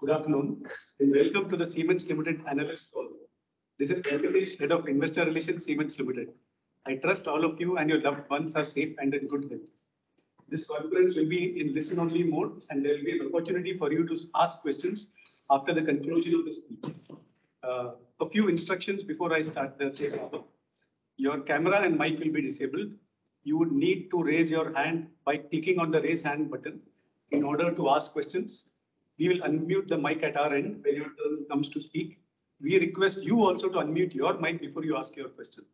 Good afternoon and welcome to the Siemens Limited analyst call. This is Venkatesh, Head of Investor Relations, Siemens Limited. I trust all of you and your loved ones are safe and in good health. This conference will be in listen-only mode, and there will be an opportunity for you to ask questions after the conclusion of the speech. A few instructions before I start the session: your camera and mic will be disabled. You would need to raise your hand by clicking on the raise hand button in order to ask questions. We will unmute the mic at our end when your turn comes to speak. We request you also to unmute your mic before you ask your question.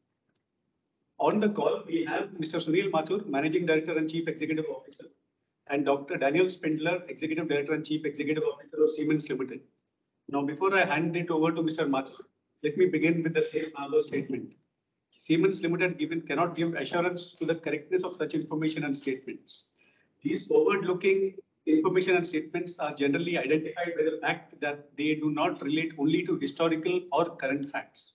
On the call, we have Mr. Sunil Mathur, Managing Director and Chief Executive Officer, and Dr. Daniel Spindler, Executive Director and Chief Executive Officer of Siemens Limited. Now, before I hand it over to Mr. Mathur, let me begin with the safe harbor statement. Siemens Limited cannot give assurance to the correctness of such information and statements. These forward-looking information and statements are generally identified with the fact that they do not relate only to historical or current facts.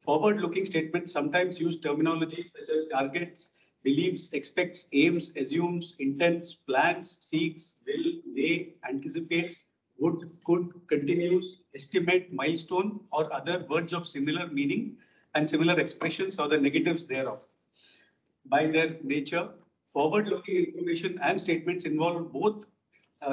Forward-looking statements sometimes use terminologies such as targets, beliefs, expects, aims, assumes, intents, plans, seeks, will, may, anticipates, would, could, continues, estimate, milestone, or other words of similar meaning and similar expressions or the negatives thereof. By their nature, forward-looking information and statements involve both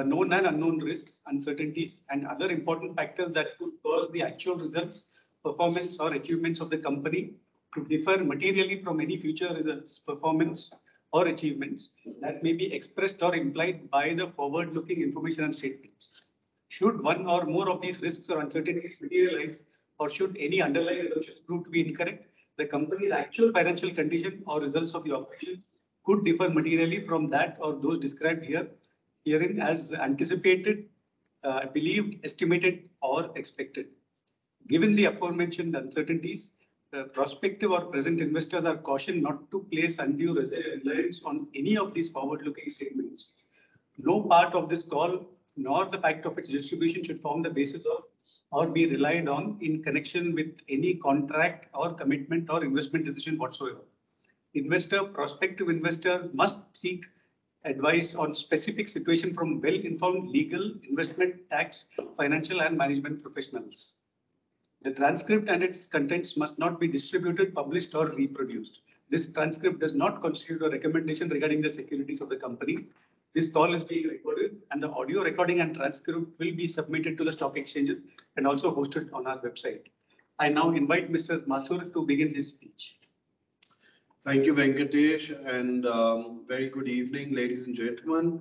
known and unknown risks, uncertainties, and other important factors that could cause the actual results, performance, or achievements of the company to differ materially from any future results, performance, or achievements that may be expressed or implied by the forward-looking information and statements. Should one or more of these risks or uncertainties materialize, or should any underlying results prove to be incorrect, the company's actual financial condition or results of the operations could differ materially from that or those described here as anticipated, believed, estimated, or expected. Given the aforementioned uncertainties, prospective or present investors are cautioned not to place undue reliance on any of these forward-looking statements. No part of this call, nor the fact of its distribution, should form the basis of or be relied on in connection with any contract or commitment or investment decision whatsoever. Investors, prospective investors, must seek advice on specific situations from well-informed legal, investment, tax, financial, and management professionals. The transcript and its contents must not be distributed, published, or reproduced. This transcript does not constitute a recommendation regarding the securities of the company. This call is being recorded, and the audio recording and transcript will be submitted to the stock exchanges and also hosted on our website. I now invite Mr. Mathur to begin his speech. Thank you, Venkatesh, and very good evening, ladies and gentlemen.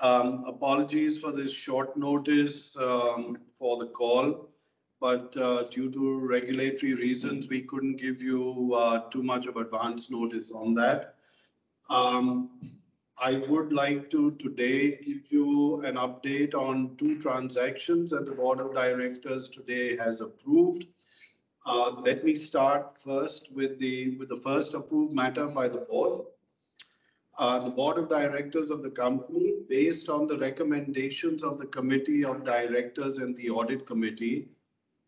Apologies for this short notice for the call, but due to regulatory reasons, we couldn't give you too much of advance notice on that. I would like to today give you an update on two transactions that the Board of Directors today has approved. Let me start first with the first approved matter by the Board. The Board of Directors of the company, based on the recommendations of the Committee of Directors and the Audit Committee,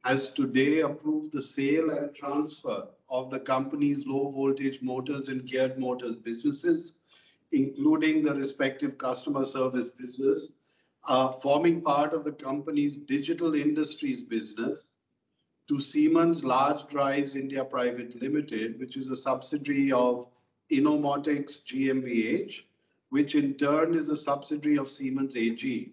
has today approved the sale and transfer of the company's low-voltage motors and geared motors businesses, including the respective customer service business, forming part of the company's Digital Industries business, to Siemens Large Drives India Private Limited, which is a subsidiary of Innomotics GmbH, which in turn is a subsidiary of Siemens AG,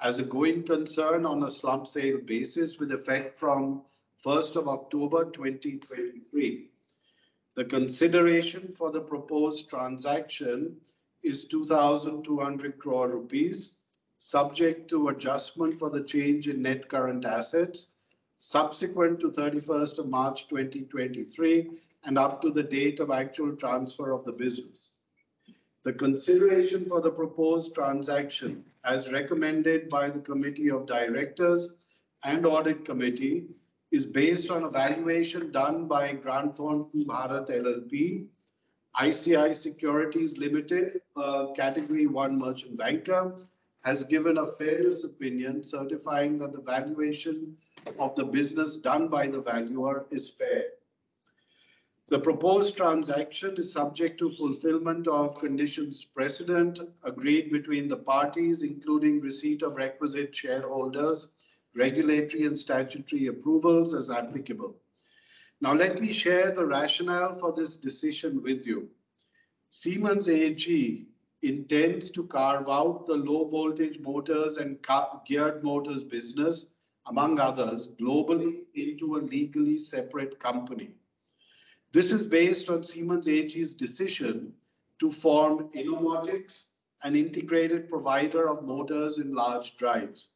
as a going concern on a slump sale basis with effect from 1st October 2023. The consideration for the proposed transaction is 2,200 crore rupees, subject to adjustment for the change in net current assets subsequent to 31st March 2023 and up to the date of actual transfer of the business. The consideration for the proposed transaction, as recommended by the Committee of Directors and Audit Committee, is based on a valuation done by Grant Thornton Bharat LLP. ICICI Securities Limited, Category I merchant banker, has given a fairness opinion certifying that the valuation of the business done by the valuer is fair. The proposed transaction is subject to fulfillment of conditions precedent agreed between the parties, including receipt of requisite shareholders, regulatory, and statutory approvals as applicable. Now, let me share the rationale for this decision with you. Siemens AG intends to carve out the low-voltage motors and geared motors business, among others, globally into a legally separate company. This is based on Siemens AG's decision to form Innomotics, an integrated provider of motors and large drives.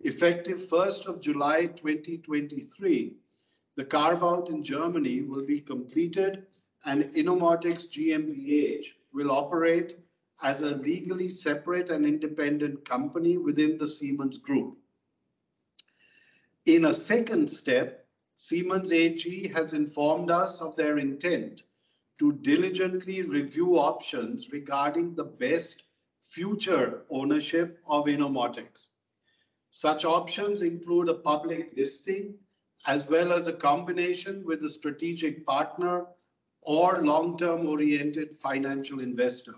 Effective 1 July 2023, the carve-out in Germany will be completed, and Innomotics GmbH will operate as a legally separate and independent company within the Siemens Group. In a second step, Siemens AG has informed us of their intent to diligently review options regarding the best future ownership of Innomotics. Such options include a public listing as well as a combination with a strategic partner or long-term-oriented financial investor.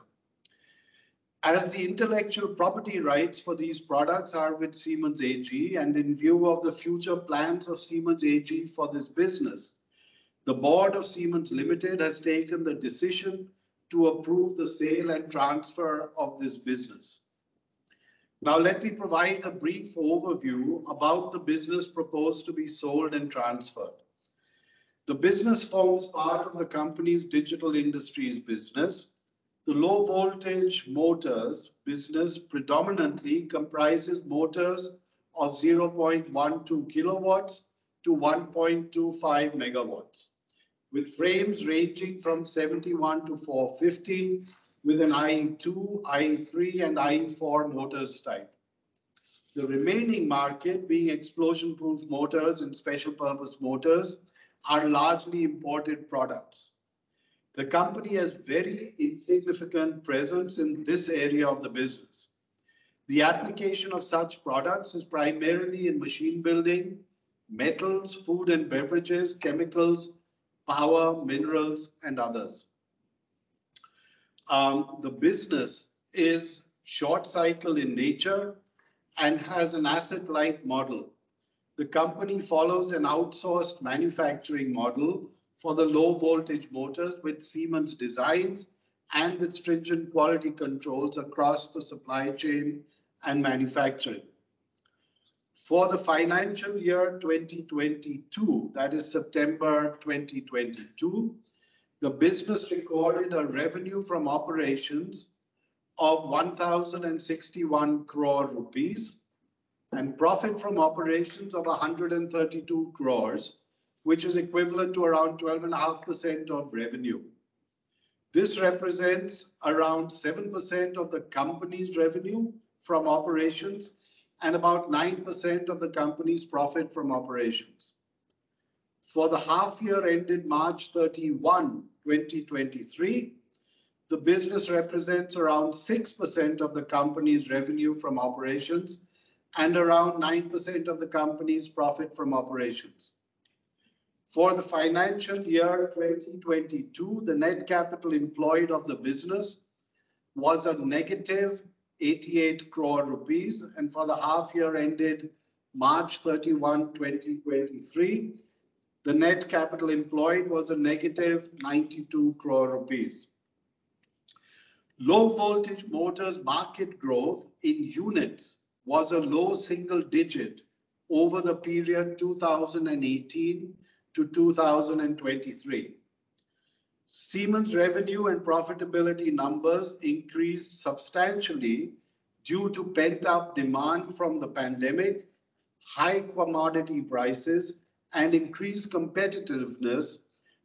As the intellectual property rights for these products are with Siemens AG, and in view of the future plans of Siemens AG for this business, the Board of Siemens Limited has taken the decision to approve the sale and transfer of this business. Now, let me provide a brief overview about the business proposed to be sold and transferred. The business forms part of the company's Digital Industries business. The low-voltage motors business predominantly comprises motors of 0.12 kW to 1.25 MW, with frames ranging from 71 to 450, with an IE2, IE3, and IE4 motors type. The remaining market, being explosion-proof motors and special-purpose motors, are largely imported products. The company has very insignificant presence in this area of the business. The application of such products is primarily in machine building, metals, food and beverages, chemicals, power, minerals, and others. The business is short-cycle in nature and has an asset-light model. The company follows an outsourced manufacturing model for the low-voltage motors with Siemens designs and with stringent quality controls across the supply chain and manufacturing. For the financial year 2022, that is September 2022, the business recorded a revenue from operations of 1,061 crore rupees and profit from operations of 132 crore, which is equivalent to around 12.5% of revenue. This represents around 7% of the company's revenue from operations and about 9% of the company's profit from operations. For the half-year ended March 31, 2023, the business represents around 6% of the company's revenue from operations and around 9% of the company's profit from operations. For the financial year 2022, the net capital employed of the business was a negative 88 crore rupees, and for the half-year ended March 31, 2023, the net capital employed was a negative 92 crore rupees. Low-voltage motors market growth in units was a low single digit over the period 2018 to 2023. Siemens revenue and profitability numbers increased substantially due to pent-up demand from the pandemic, high commodity prices, and increased competitiveness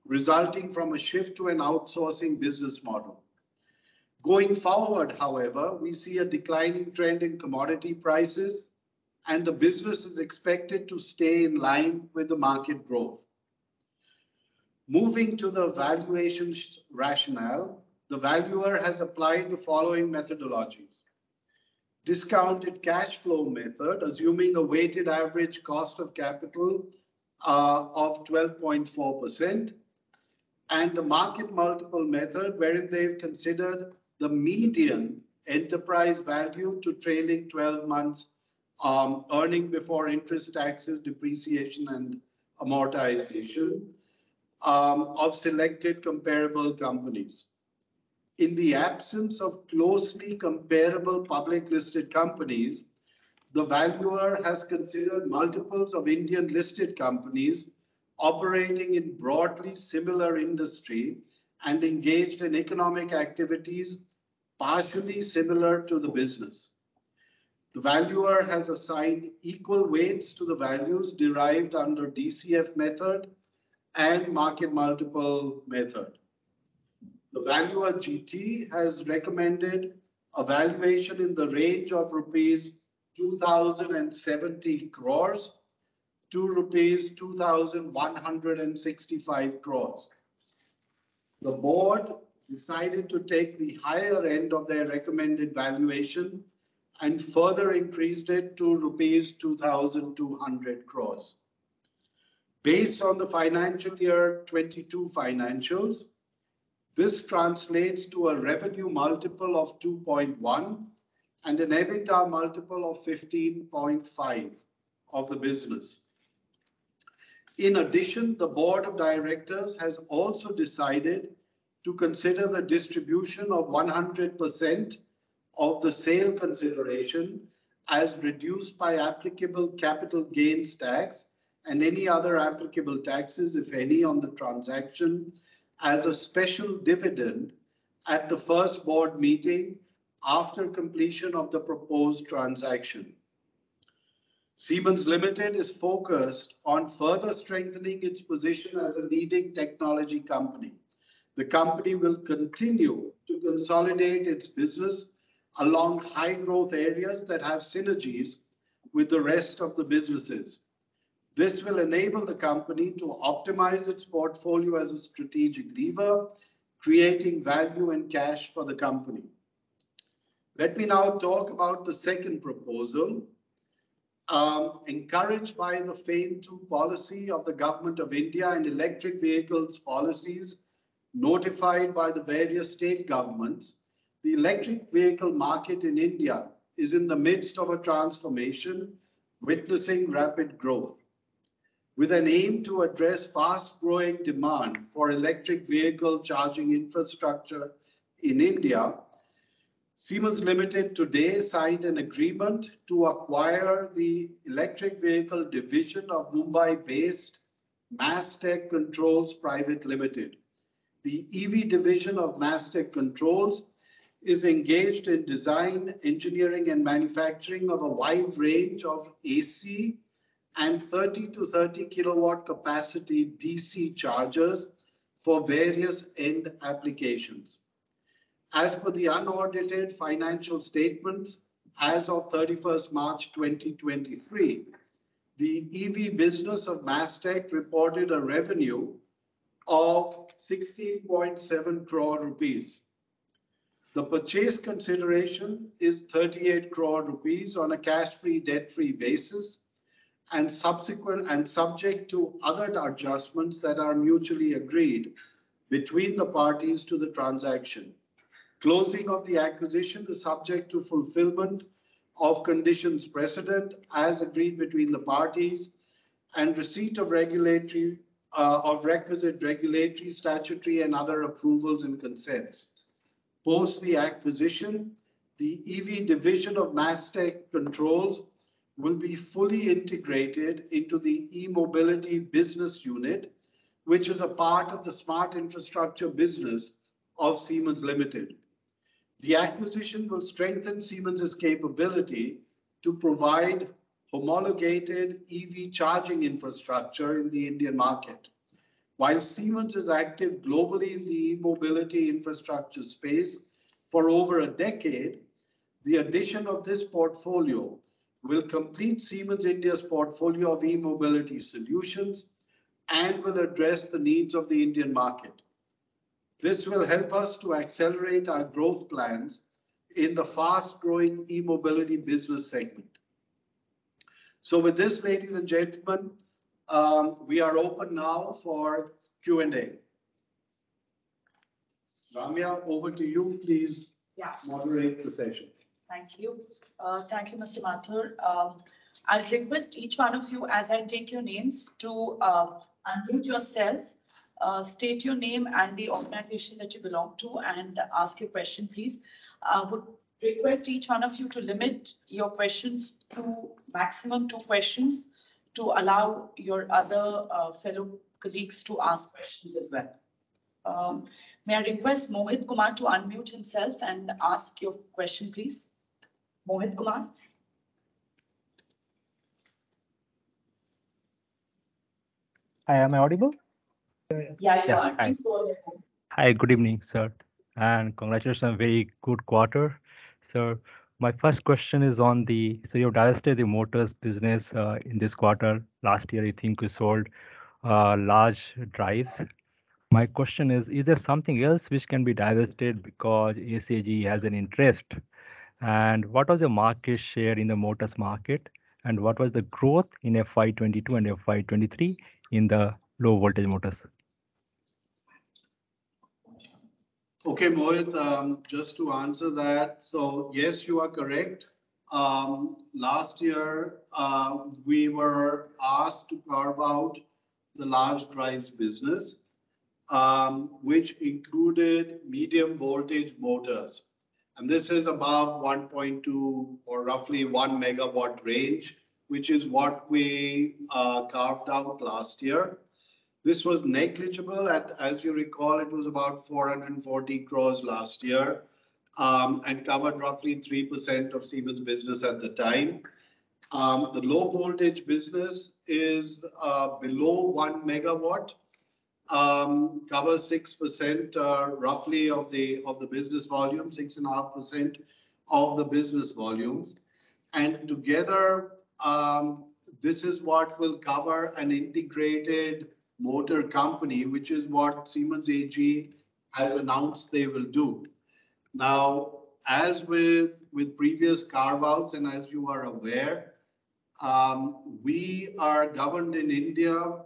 resulting from a shift to an outsourcing business model. Going forward, however, we see a declining trend in commodity prices, and the business is expected to stay in line with the market growth. Moving to the valuation rationale, the valuer has applied the following methodologies: discounted cash flow method, assuming a weighted average cost of capital of 12.4%, and the market multiple method, wherein they've considered the median enterprise value to trailing 12 months earnings before interest, taxes, depreciation, and amortization of selected comparable companies. In the absence of closely comparable public-listed companies, the valuer has considered multiples of Indian-listed companies operating in broadly similar industry and engaged in economic activities partially similar to the business. The valuer has assigned equal weights to the values derived under DCF method and market multiple method. The valuer, GT, has recommended a valuation in the range of 2,070 crore-2,165 crore rupees. The board decided to take the higher end of their recommended valuation and further increased it to rupees 2,200 crore. Based on the financial year 2022 financials, this translates to a revenue multiple of 2.1 and an EBITDA multiple of 15.5 of the business. In addition, the Board of Directors has also decided to consider the distribution of 100% of the sale consideration as reduced by applicable capital gains tax and any other applicable taxes, if any, on the transaction as a special dividend at the first board meeting after completion of the proposed transaction. Siemens Limited is focused on further strengthening its position as a leading technology company. The company will continue to consolidate its business along high-growth areas that have synergies with the rest of the businesses. This will enable the company to optimize its portfolio as a strategic lever, creating value and cash for the company. Let me now talk about the second proposal. Encouraged by the FAME II policy of the Government of India and electric vehicles policies notified by the various state governments, the electric vehicle market in India is in the midst of a transformation, witnessing rapid growth. With an aim to address fast-growing demand for electric vehicle charging infrastructure in India, Siemens Limited today signed an agreement to acquire the electric vehicle division of Mumbai-based Mass-Tech Controls Private Limited. The EV division of Mass-Tech Controls is engaged in design, engineering, and manufacturing of a wide range of AC and 30-300 kW capacity DC chargers for various end applications. As per the unaudited financial statements as of 31st March 2023, the EV business of Mass-Tech reported a revenue of 16.7 crore rupees. The purchase consideration is 38 crore rupees on a cash-free, debt-free basis and subject to other adjustments that are mutually agreed between the parties to the transaction. Closing of the acquisition is subject to fulfillment of conditions precedent as agreed between the parties and receipt of requisite regulatory, statutory, and other approvals and consents. Post the acquisition, the EV division of Mass-Tech Controls will be fully integrated into the eMobility business unit, which is a part of the Smart Infrastructure business of Siemens Limited. The acquisition will strengthen Siemens's capability to provide homologated EV charging infrastructure in the Indian market. While Siemens is active globally in the eMobility infrastructure space for over a decade, the addition of this portfolio will complete Siemens India's portfolio of eMobility solutions and will address the needs of the Indian market. This will help us to accelerate our growth plans in the fast-growing eMobility business segment, so with this, ladies and gentlemen, we are open now for Q&A. Ramya, over to you, please moderate the session. Thank you. Thank you, Mr. Mathur. I'll request each one of you, as I take your names, to unmute yourself, state your name and the organization that you belong to, and ask your question, please. I would request each one of you to limit your questions to maximum two questions to allow your other fellow colleagues to ask questions as well. May I request Mohit Kumar to unmute himself and ask your question, please? Mohit Kumar. Hi, am I audible? Yeah, yeah. Please go ahead. Hi, good evening, sir. And congratulations on a very good quarter. So my first question is on the, so you've divested the motors business in this quarter. Last year, I think we sold large drives. My question is, is there something else which can be divested because SAG has an interest? And what was the market share in the motors market, and what was the growth in FY22 and FY23 in the low-voltage motors? Okay, Mohit, just to answer that, so yes, you are correct. Last year, we were asked to carve out the large drives business, which included medium-voltage motors. And this is above 1.2 or roughly 1 MW range, which is what we carved out last year. This was negligible, and as you recall, it was about 440 crore last year and covered roughly 3% of Siemens business at the time. The low-voltage business is below 1 MW, covers 6% roughly of the business volume, 6.5% of the business volumes. And together, this is what will cover an integrated motor company, which is what Siemens AG has announced they will do. Now, as with previous carve-outs, and as you are aware, we are governed in India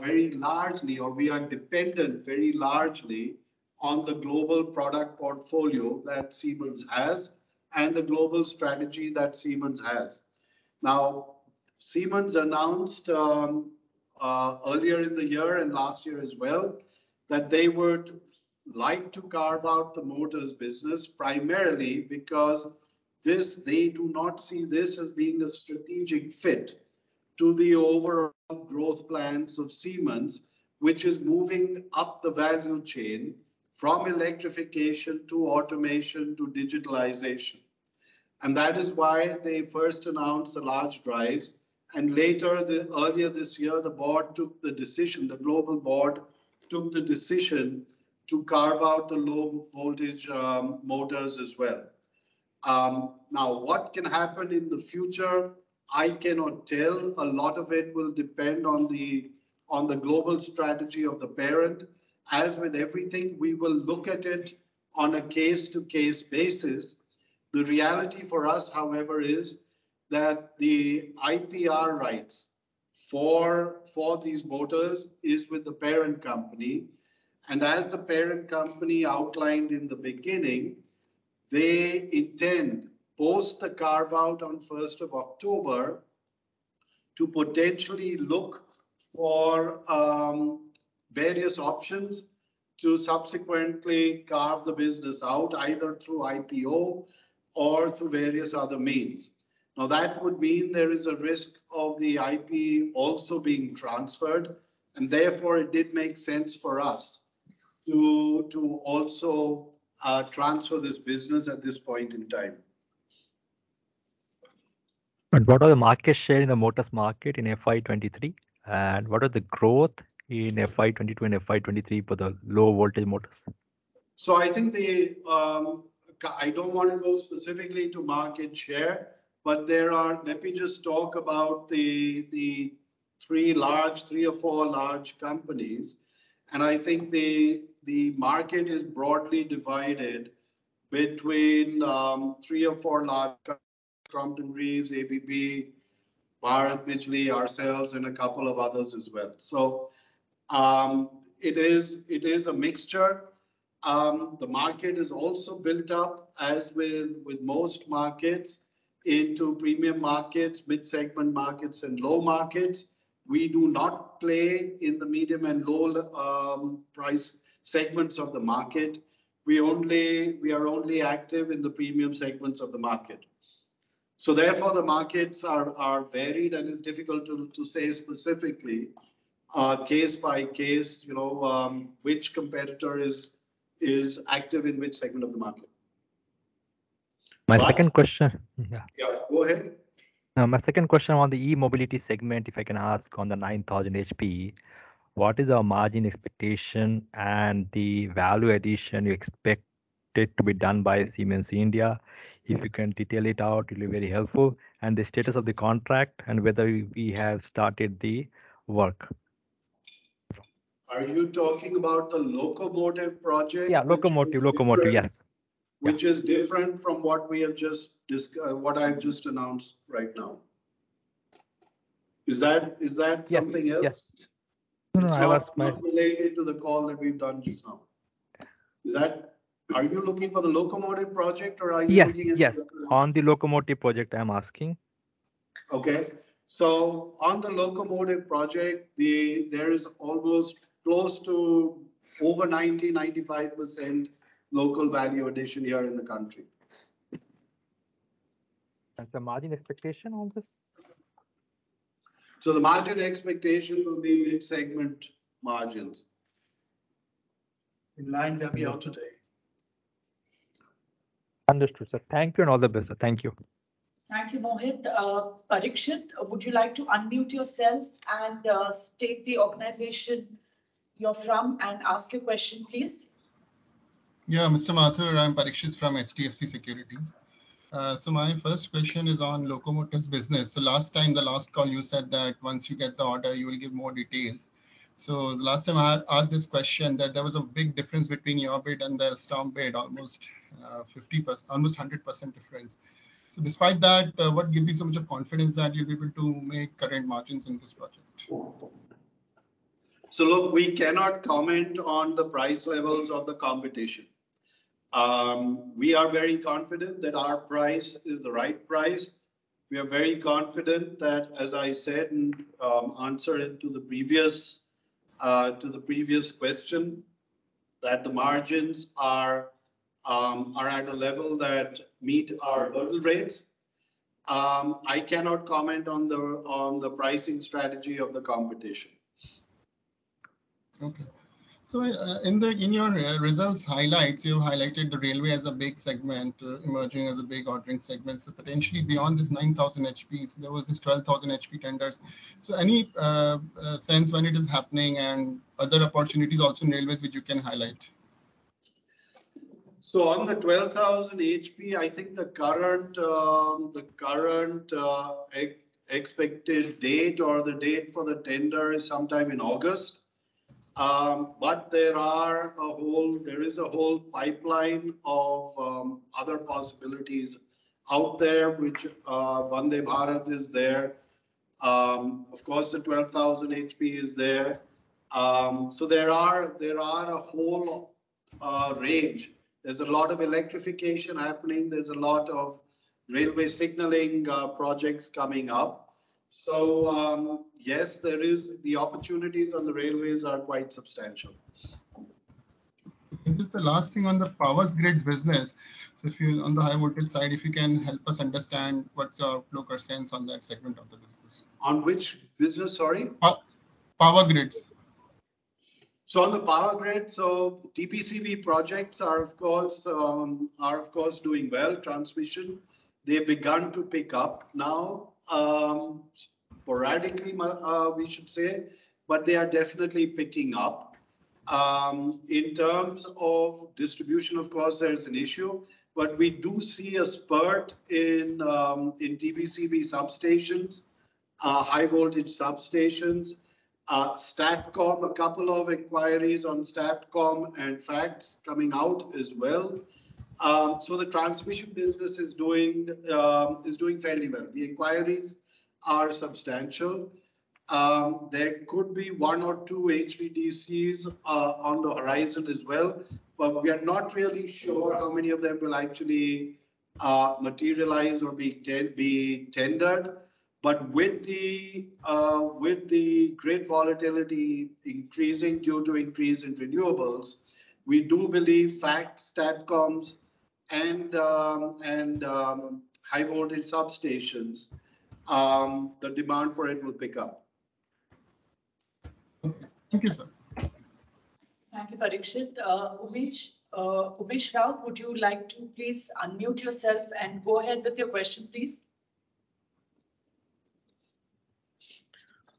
very largely, or we are dependent very largely on the global product portfolio that Siemens has and the global strategy that Siemens has. Now, Siemens announced earlier in the year and last year as well that they would like to carve out the motors business primarily because they do not see this as being a strategic fit to the overall growth plans of Siemens, which is moving up the value chain from electrification to automation to digitalization. And that is why they first announced the large drives. And later, earlier this year, the board took the decision, the global board took the decision to carve out the low-voltage motors as well. Now, what can happen in the future, I cannot tell. A lot of it will depend on the global strategy of the parent. As with everything, we will look at it on a case-to-case basis. The reality for us, however, is that the IPR rights for these motors are with the parent company. As the parent company outlined in the beginning, they intend post the carve-out on 1st October to potentially look for various options to subsequently carve the business out either through IPO or through various other means. Now, that would mean there is a risk of the IP also being transferred, and therefore, it did make sense for us to also transfer this business at this point in time. What are the market share in the motors market in FY23? What are the growth in FY22 and FY23 for the low-voltage motors? So I think I don't want to go specifically to market share, but there are let me just talk about the three or four large companies. And I think the market is broadly divided between three or four large companies: Crompton Greaves, ABB, Bharat Bijlee, ourselves, and a couple of others as well. So it is a mixture. The market is also built up, as with most markets, into premium markets, mid-segment markets, and low markets. We do not play in the medium and low price segments of the market. We are only active in the premium segments of the market. So therefore, the markets are varied, and it's difficult to say specifically case by case which competitor is active in which segment of the market. My second question. Yeah, go ahead. My second question on the eMobility segment, if I can ask, on the 9,000 HP, what is our margin expectation and the value addition you expect it to be done by Siemens India? If you can detail it out, it will be very helpful, and the status of the contract and whether we have started the work. Are you talking about the locomotive project? Yeah, locomotive, yes. Which is different from what I've just announced right now. Is that something else? Yes. It's not related to the call that we've done just now. Are you looking for the locomotive project, or are you looking at the? Yes, on the locomotive project, I'm asking. On the locomotive project, there is almost close to over 90%-95% local value addition here in the country. The margin expectation on this? The margin expectation will be mid-segment margins. In line that we are today. Understood. So thank you and all the best. Thank you. Thank you, Mohit. Parikshit, would you like to unmute yourself and state the organization you're from and ask your question, please? Yeah, Mr. Mathur, I'm Parikshit from HDFC Securities. So my first question is on locomotives business. So last time, the last call, you said that once you get the order, you will give more details. So the last time I asked this question, there was a big difference between your bid and the Alstom bid, almost 100% difference. So despite that, what gives you so much confidence that you'll be able to make current margins in this project? So look, we cannot comment on the price levels of the competition. We are very confident that our price is the right price. We are very confident that, as I said and answered to the previous question, that the margins are at a level that meet our order rates. I cannot comment on the pricing strategy of the competition. Okay. So in your results highlights, you highlighted the railway as a big segment, emerging as a big ordering segment. So potentially beyond this 9,000 HP, there were these 12,000 HP tenders. So any sense when it is happening and other opportunities also in railways which you can highlight? So on the 12,000 HP, I think the current expected date or the date for the tender is sometime in August. But there is a whole pipeline of other possibilities out there, which Vande Bharat is there. Of course, the 12,000 HP is there. So there are a whole range. There is a lot of electrification happening. There is a lot of railway signaling projects coming up. So yes, the opportunities on the railways are quite substantial. This is the last thing on the power grid business. So on the high-voltage side, if you can help us understand what's our local sense on that segment of the business? On which business, sorry? Power grids. So on the power grid, so TBCB projects are, of course, doing well. Transmission, they've begun to pick up now sporadically, we should say, but they are definitely picking up. In terms of distribution, of course, there's an issue, but we do see a spurt in TBCB substations, high-voltage substations, STATCOM, a couple of inquiries on STATCOM and FACTS coming out as well. So the transmission business is doing fairly well. The inquiries are substantial. There could be one or two HVDCs on the horizon as well, but we are not really sure how many of them will actually materialize or be tendered. But with the grid volatility increasing due to increase in renewables, we do believe FACTS, STATCOMs, and high-voltage substations, the demand for it will pick up. Okay. Thank you, sir. Thank you, Parikshit. Umesh Raut, would you like to please unmute yourself and go ahead with your question, please?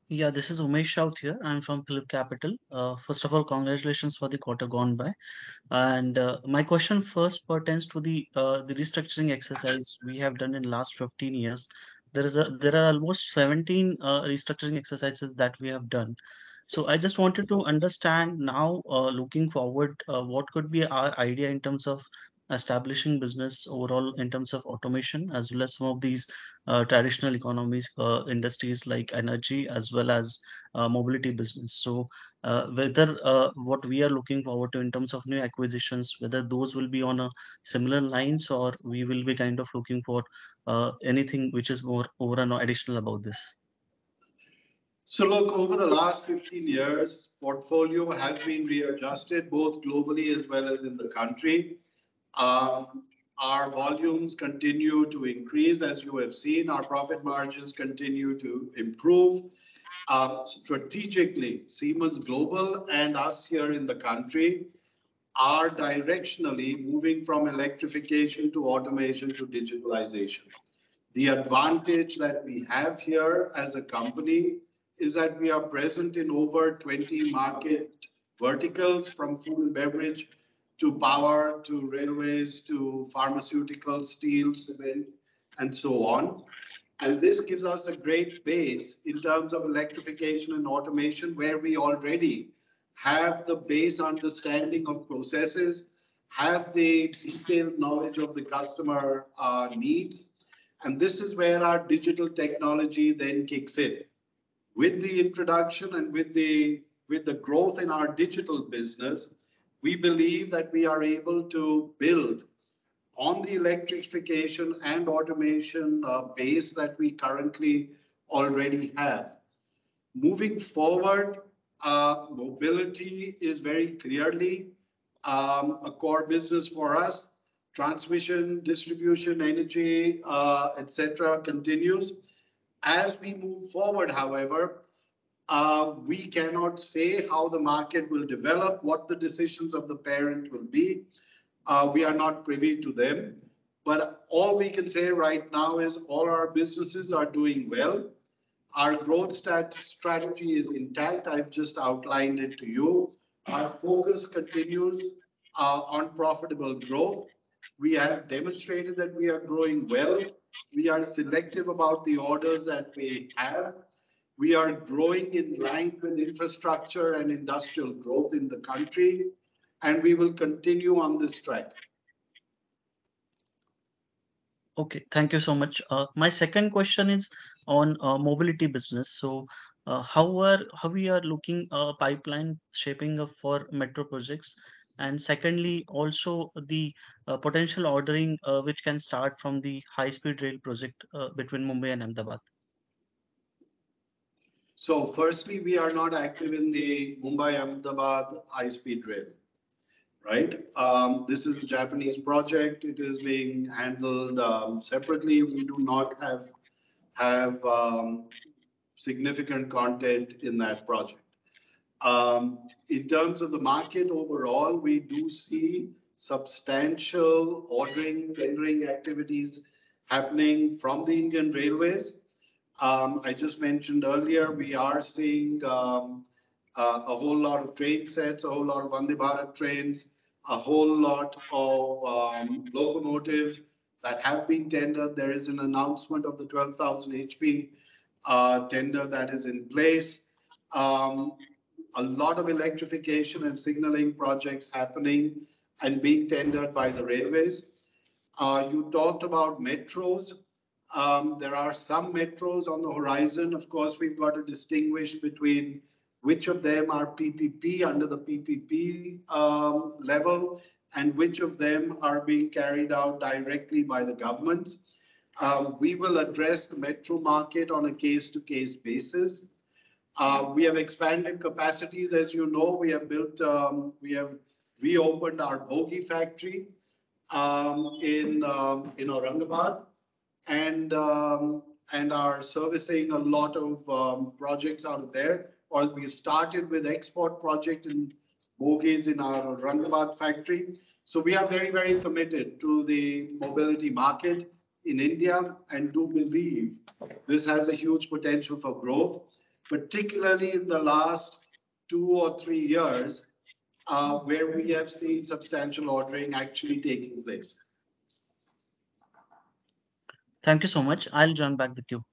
Yeah, this is Umesh Raut here. I'm from PhillipCapital. First of all, congratulations for the quarter gone by. And my question first pertains to the restructuring exercise we have done in the last 15 years. There are almost 17 restructuring exercises that we have done. So I just wanted to understand now, looking forward, what could be our idea in terms of establishing business overall in terms of automation, as well as some of these traditional economies for industries like energy as well as mobility business. So whether what we are looking forward to in terms of new acquisitions, whether those will be on a similar lines or we will be kind of looking for anything which is more over and additional about this. So look, over the last 15 years, portfolio has been readjusted both globally as well as in the country. Our volumes continue to increase, as you have seen. Our profit margins continue to improve. Strategically, Siemens Global and us here in the country are directionally moving from electrification to automation to digitalization. The advantage that we have here as a company is that we are present in over 20 market verticals from food and beverage to power to railways to pharmaceuticals, steel, cement, and so on. And this gives us a great base in terms of electrification and automation, where we already have the base understanding of processes, have the detailed knowledge of the customer needs. And this is where our digital technology then kicks in. With the introduction and with the growth in our digital business, we believe that we are able to build on the electrification and automation base that we currently already have. Moving forward, mobility is very clearly a core business for us. Transmission, distribution, energy, etc., continues. As we move forward, however, we cannot say how the market will develop, what the decisions of the parent will be. We are not privy to them. But all we can say right now is all our businesses are doing well. Our growth strategy is intact. I've just outlined it to you. Our focus continues on profitable growth. We have demonstrated that we are growing well. We are selective about the orders that we have. We are growing in line with infrastructure and industrial growth in the country, and we will continue on this track. Okay. Thank you so much. My second question is on mobility business, so how we are looking at pipeline shaping for metro projects? And secondly, also the potential ordering which can start from the high-speed rail project between Mumbai and Ahmedabad? So firstly, we are not active in the Mumbai-Ahmedabad high-speed rail, right? This is a Japanese project. It is being handled separately. We do not have significant content in that project. In terms of the market overall, we do see substantial ordering tendering activities happening from the Indian Railways. I just mentioned earlier, we are seeing a whole lot of train sets, a whole lot of Vande Bharat trains, a whole lot of locomotives that have been tendered. There is an announcement of the 12,000 HP tender that is in place. A lot of electrification and signaling projects happening and being tendered by the railways. You talked about metros. There are some metros on the horizon. Of course, we've got to distinguish between which of them are PPP under the PPP level and which of them are being carried out directly by the governments. We will address the metro market on a case-to-case basis. We have expanded capacities. As you know, we have reopened our bogie factory in Aurangabad and are servicing a lot of projects out there, or we started with export projects in bogies in our Aurangabad factory, so we are very, very committed to the mobility market in India and do believe this has a huge potential for growth, particularly in the last two or three years where we have seen substantial ordering actually taking place. Thank you so much. I'll join back the queue.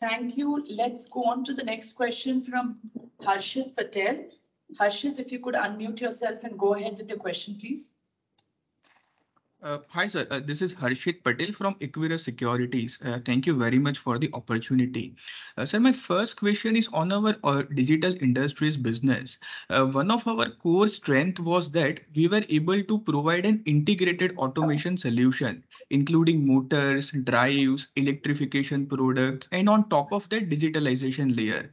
Thank you. Let's go on to the next question from Harshit Patel. Harshit, if you could unmute yourself and go ahead with the question, please. Hi, sir. This is Harshit Patel from Equirus Securities. Thank you very much for the opportunity. Sir, my first question is on our Digital Industries business. One of our core strengths was that we were able to provide an integrated automation solution, including motors, drives, electrification products, and on top of that, digitalization layer.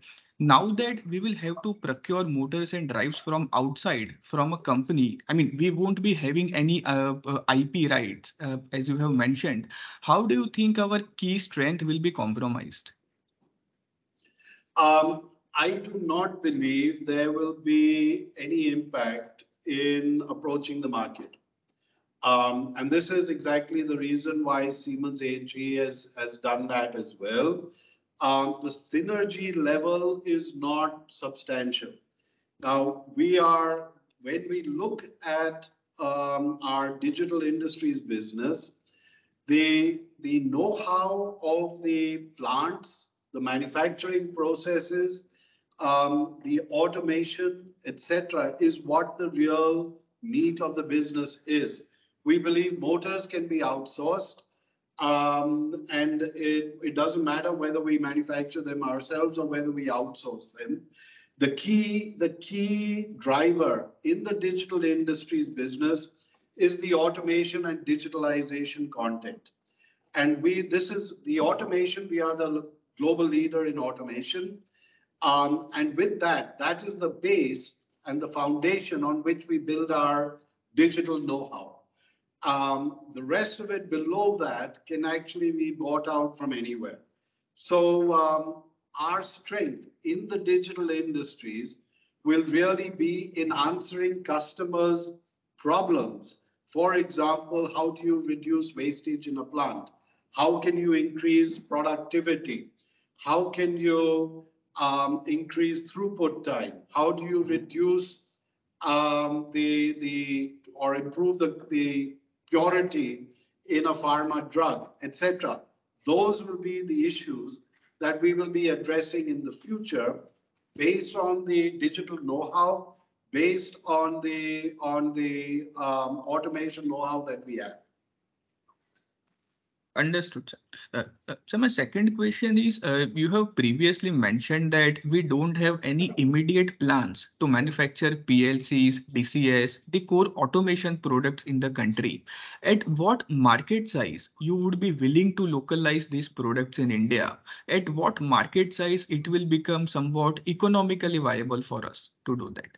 Now that we will have to procure motors and drives from outside from a company, I mean, we won't be having any IP rights, as you have mentioned. How do you think our key strength will be compromised? I do not believe there will be any impact in approaching the market. And this is exactly the reason why Siemens AG has done that as well. The synergy level is not substantial. Now, when we look at our Digital Industries business, the know-how of the plants, the manufacturing processes, the automation, etc., is what the real meat of the business is. We believe motors can be outsourced, and it doesn't matter whether we manufacture them ourselves or whether we outsource them. The key driver in the Digital Industries business is the automation and digitalization content. And this is the automation. We are the global leader in automation. And with that, that is the base and the foundation on which we build our digital know-how. The rest of it below that can actually be bought out from anywhere. Our strength in the digital industries will really be in answering customers' problems. For example, how do you reduce wastage in a plant? How can you increase productivity? How can you increase throughput time? How do you reduce or improve the purity in a pharma drug, etc.? Those will be the issues that we will be addressing in the future based on the digital know-how, based on the automation know-how that we have. Understood, sir. Sir, my second question is, you have previously mentioned that we don't have any immediate plans to manufacture PLCs, DCS, the core automation products in the country. At what market size would you be willing to localize these products in India? At what market size would it become somewhat economically viable for us to do that?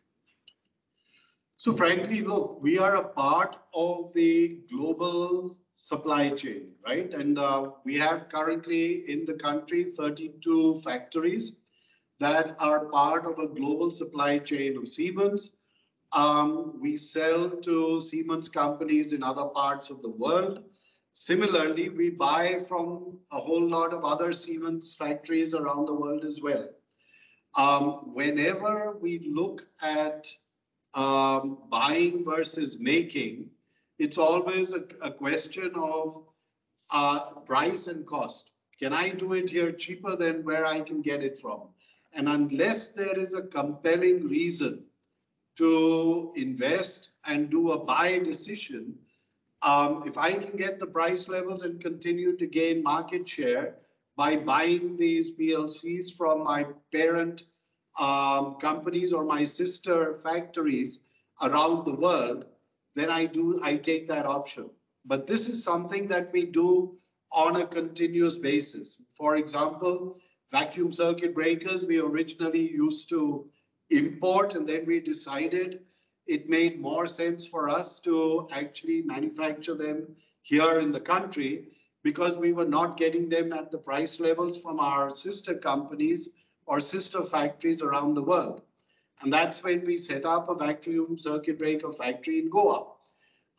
So frankly, look, we are a part of the global supply chain, right? And we have currently in the country 32 factories that are part of a global supply chain of Siemens. We sell to Siemens companies in other parts of the world. Similarly, we buy from a whole lot of other Siemens factories around the world as well. Whenever we look at buying versus making, it's always a question of price and cost. Can I do it here cheaper than where I can get it from? And unless there is a compelling reason to invest and do a buy decision, if I can get the price levels and continue to gain market share by buying these PLCs from my parent companies or my sister factories around the world, then I take that option. But this is something that we do on a continuous basis. For example, vacuum circuit breakers, we originally used to import, and then we decided it made more sense for us to actually manufacture them here in the country because we were not getting them at the price levels from our sister companies or sister factories around the world, and that's when we set up a vacuum circuit breaker factory in Goa,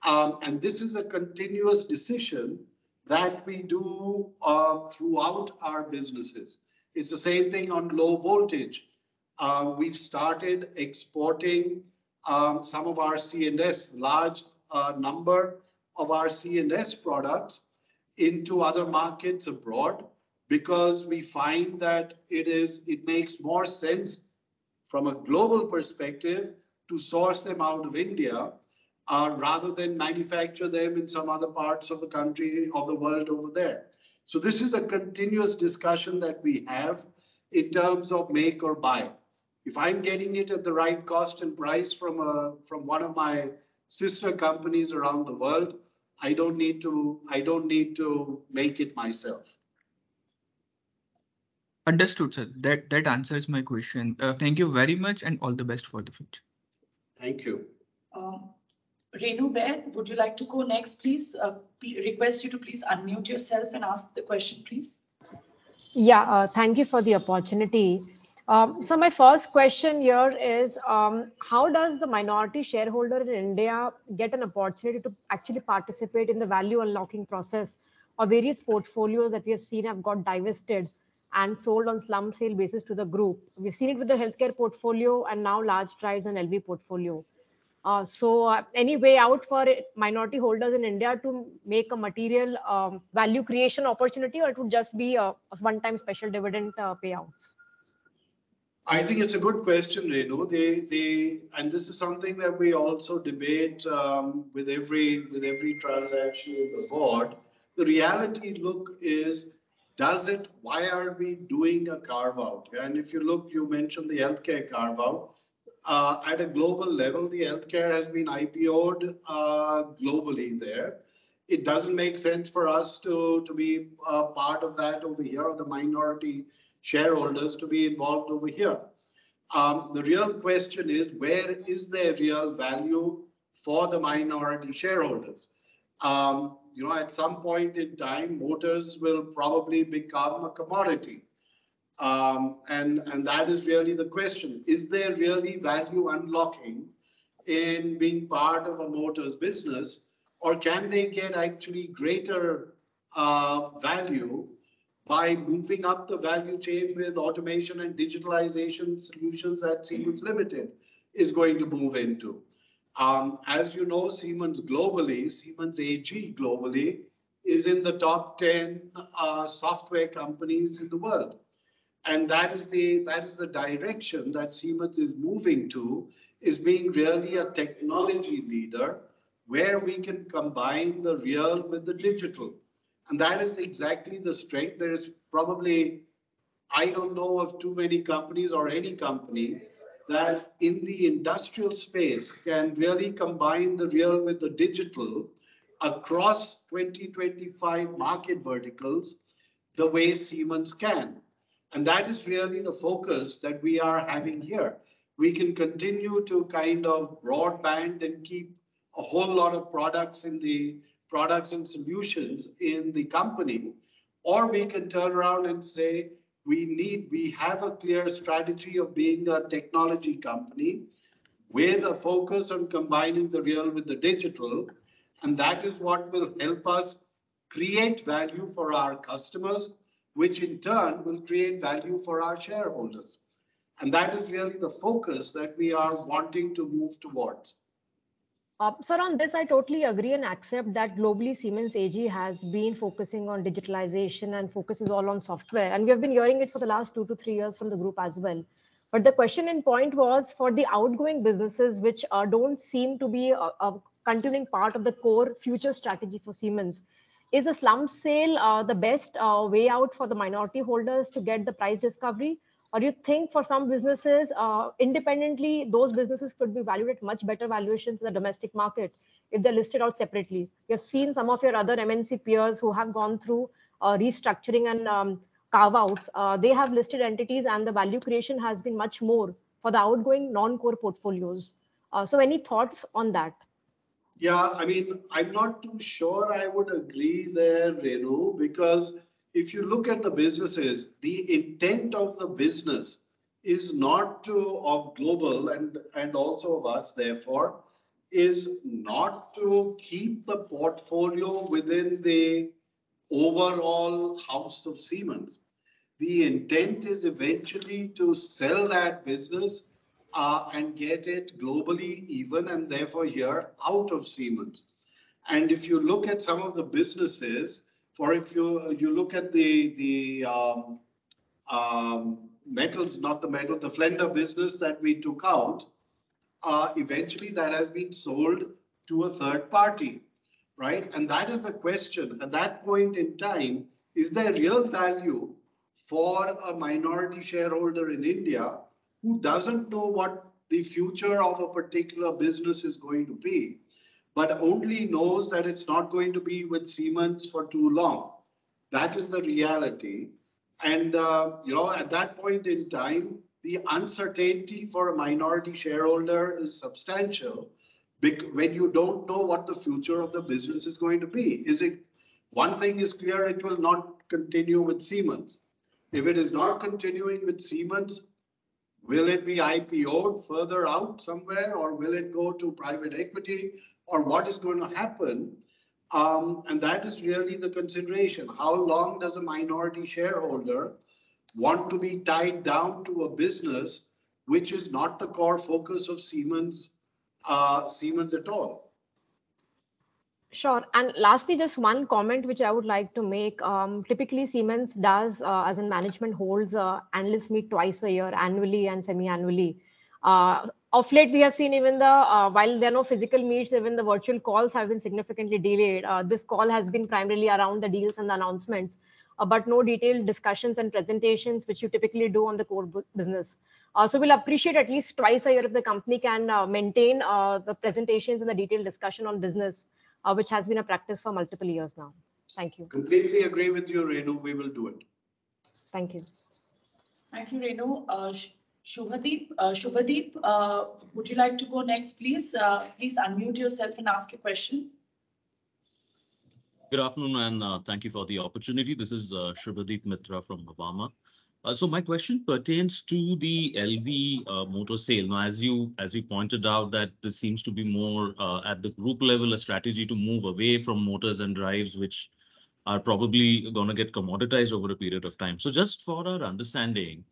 and this is a continuous decision that we do throughout our businesses. It's the same thing on low voltage. We've started exporting some of our CNS, a large number of our C&S products into other markets abroad because we find that it makes more sense from a global perspective to source them out of India rather than manufacture them in some other parts of the country of the world over there, so this is a continuous discussion that we have in terms of make or buy. If I'm getting it at the right cost and price from one of my sister companies around the world, I don't need to make it myself. Understood, sir. That answers my question. Thank you very much and all the best for the future. Thank you. Renu Baid, would you like to go next, please? Request you to please unmute yourself and ask the question, please. Yeah. Thank you for the opportunity. So my first question here is, how does the minority shareholder in India get an opportunity to actually participate in the value unlocking process of various portfolios that we have seen have got divested and sold on slump sale basis to the group? We've seen it with the healthcare portfolio and now large drives and LV portfolio. So any way out for minority holders in India to make a material value creation opportunity, or it would just be a one-time special dividend payouts? I think it's a good question, Renu. And this is something that we also debate with every transaction in the board. The reality, look, is why are we doing a carve-out? And if you look, you mentioned the healthcare carve-out. At a global level, the healthcare has been IPO'd globally there. It doesn't make sense for us to be part of that over here or the minority shareholders to be involved over here. The real question is, where is there real value for the minority shareholders? At some point in time, motors will probably become a commodity. And that is really the question. Is there really value unlocking in being part of a motor's business, or can they get actually greater value by moving up the value chain with automation and digitalization solutions that Siemens Limited is going to move into? As you know, Siemens globally, Siemens AG globally is in the top 10 software companies in the world. And that is the direction that Siemens is moving to, is being really a technology leader where we can combine the real with the digital. And that is exactly the strength. There is probably, I don't know of too many companies or any company that in the industrial space can really combine the real with the digital across 20-25 market verticals the way Siemens can. And that is really the focus that we are having here. We can continue to kind of broaden and keep a whole lot of products and solutions in the company, or we can turn around and say, "We have a clear strategy of being a technology company with a focus on combining the real with the digital," and that is what will help us create value for our customers, which in turn will create value for our shareholders, and that is really the focus that we are wanting to move towards. Sir, on this, I totally agree and accept that globally, Siemens AG has been focusing on digitalization and focuses all on software, and we have been hearing it for the last two to three years from the group as well, but the question in point was for the outgoing businesses, which don't seem to be a continuing part of the core future strategy for Siemens. Is a slump sale the best way out for the minority holders to get the price discovery? Or do you think for some businesses independently, those businesses could be valued at much better valuations in the domestic market if they're listed out separately? We have seen some of your other MNC peers who have gone through restructuring and carve-outs. They have listed entities, and the value creation has been much more for the outgoing non-core portfolios, so any thoughts on that? Yeah. I mean, I'm not too sure I would agree there, Renu, because if you look at the businesses, the intent of the business is not to, of global and also of us, therefore, is not to keep the portfolio within the overall house of Siemens. The intent is eventually to sell that business and get it globally even, and therefore here, out of Siemens. And if you look at some of the businesses, or if you look at the metals, not the metal, the Flender business that we took out, eventually that has been sold to a third party, right? And that is the question. At that point in time, is there real value for a minority shareholder in India who doesn't know what the future of a particular business is going to be, but only knows that it's not going to be with Siemens for too long? That is the reality, and at that point in time, the uncertainty for a minority shareholder is substantial when you don't know what the future of the business is going to be. One thing is clear. It will not continue with Siemens. If it is not continuing with Siemens, will it be IPO'd further out somewhere, or will it go to private equity, or what is going to happen, and that is really the consideration. How long does a minority shareholder want to be tied down to a business which is not the core focus of Siemens at all? Sure. And lastly, just one comment which I would like to make. Typically, Siemens does, as in management holds, analysts meet twice a year, annually and semi-annually. Of late, we have seen even the while there are no physical meetings, even the virtual calls have been significantly delayed. This call has been primarily around the deals and the announcements, but no detailed discussions and presentations, which you typically do on the core business. So we'll appreciate at least twice a year if the company can maintain the presentations and the detailed discussion on business, which has been a practice for multiple years now. Thank you. Completely agree with you, Renu. We will do it. Thank you. Thank you, Renu. Subhadip, would you like to go next, please? Please unmute yourself and ask your question. Good afternoon, and thank you for the opportunity. This is Subhadip Mitra from Nuvama. So my question pertains to the LV motor sale. Now, as you pointed out, that this seems to be more at the group level, a strategy to move away from motors and drives, which are probably going to get commoditized over a period of time. So just for our understanding,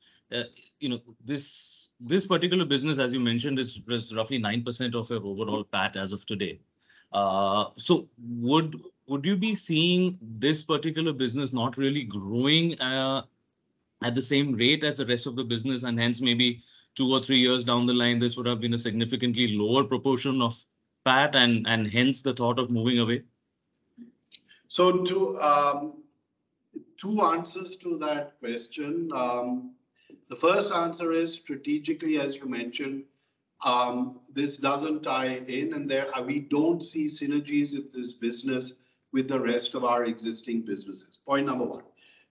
this particular business, as you mentioned, is roughly 9% of your overall PAT as of today. So would you be seeing this particular business not really growing at the same rate as the rest of the business, and hence maybe two or three years down the line, this would have been a significantly lower proportion of PAT, and hence the thought of moving away? So two answers to that question. The first answer is strategically, as you mentioned, this doesn't tie in, and we don't see synergies of this business with the rest of our existing businesses. Point number one.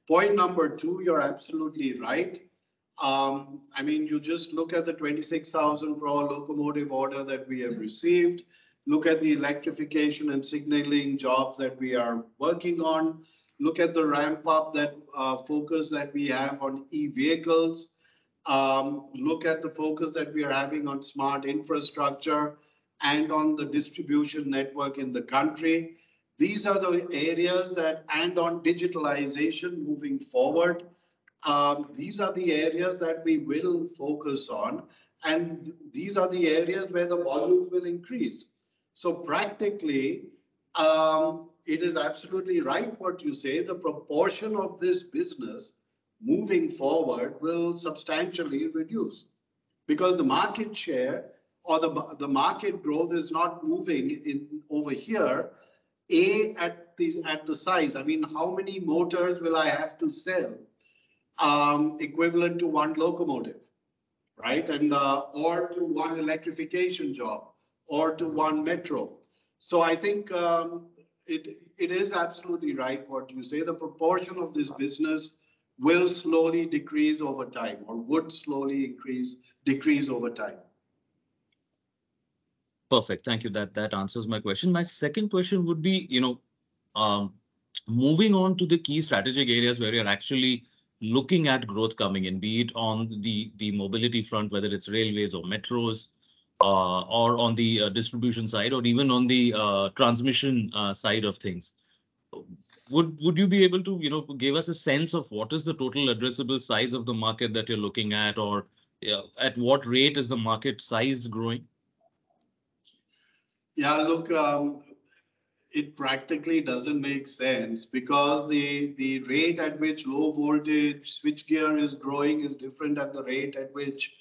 Point number two, you're absolutely right. I mean, you just look at the 26,000 crore locomotive order that we have received, look at the electrification and signaling jobs that we are working on, look at the ramp-up focus that we have on e-vehicles, look at the focus that we are having on Smart Infrastructure and on the distribution network in the country. These are the areas that, and on digitalization moving forward, these are the areas that we will focus on, and these are the areas where the volumes will increase. So practically, it is absolutely right what you say. The proportion of this business moving forward will substantially reduce because the market share or the market growth is not moving over here at the size. I mean, how many motors will I have to sell equivalent to one locomotive, right, or to one electrification job, or to one metro? So I think it is absolutely right what you say. The proportion of this business will slowly decrease over time or would slowly decrease over time. Perfect. Thank you. That answers my question. My second question would be moving on to the key strategic areas where you're actually looking at growth coming in, be it on the mobility front, whether it's railways or metros, or on the distribution side, or even on the transmission side of things. Would you be able to give us a sense of what is the total addressable size of the market that you're looking at, or at what rate is the market size growing? Yeah. Look, it practically doesn't make sense because the rate at which low voltage switchgear is growing is different than the rate at which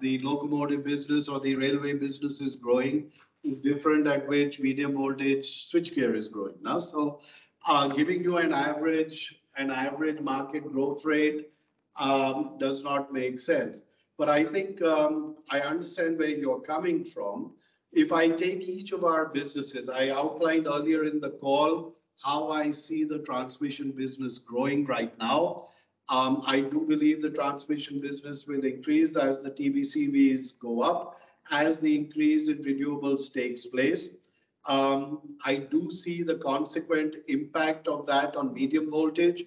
the locomotive business or the railway business is growing is different at which medium voltage switchgear is growing. So giving you an average market growth rate does not make sense. But I think I understand where you're coming from. If I take each of our businesses, I outlined earlier in the call how I see the transmission business growing right now. I do believe the transmission business will increase as the TBCBs go up, as the increase in renewables takes place. I do see the consequent impact of that on medium voltage.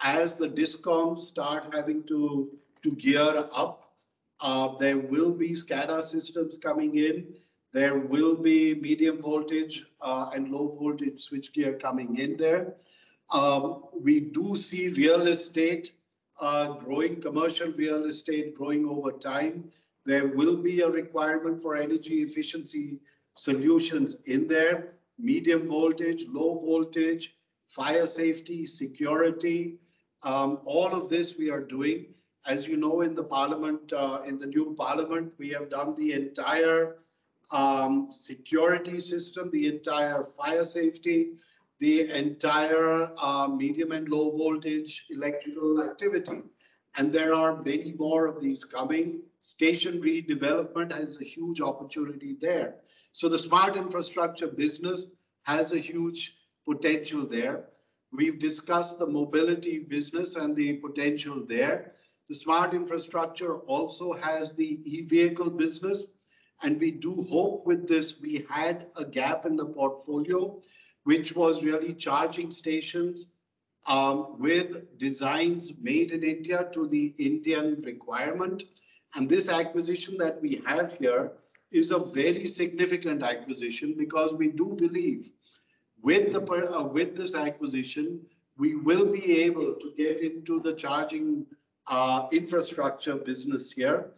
As the discom start having to gear up, there will be SCADA systems coming in. There will be medium voltage and low voltage switchgear coming in there. We do see real estate growing, commercial real estate growing over time. There will be a requirement for energy efficiency solutions in there. Medium voltage, low voltage, fire safety, security, all of this we are doing. As you know, in the new parliament, we have done the entire security system, the entire fire safety, the entire medium and low voltage electrical activity, and there are many more of these coming. Sustainable development has a huge opportunity there, so the Smart Infrastructure business has a huge potential there. We've discussed the Mobility business and the potential there. The Smart Infrastructure also has the e-vehicle business, and we do hope with this we had a gap in the portfolio, which was really charging stations with designs made in India to the Indian requirement. And this acquisition that we have here is a very significant acquisition because we do believe with this acquisition, we will be able to get into the charging infrastructure business here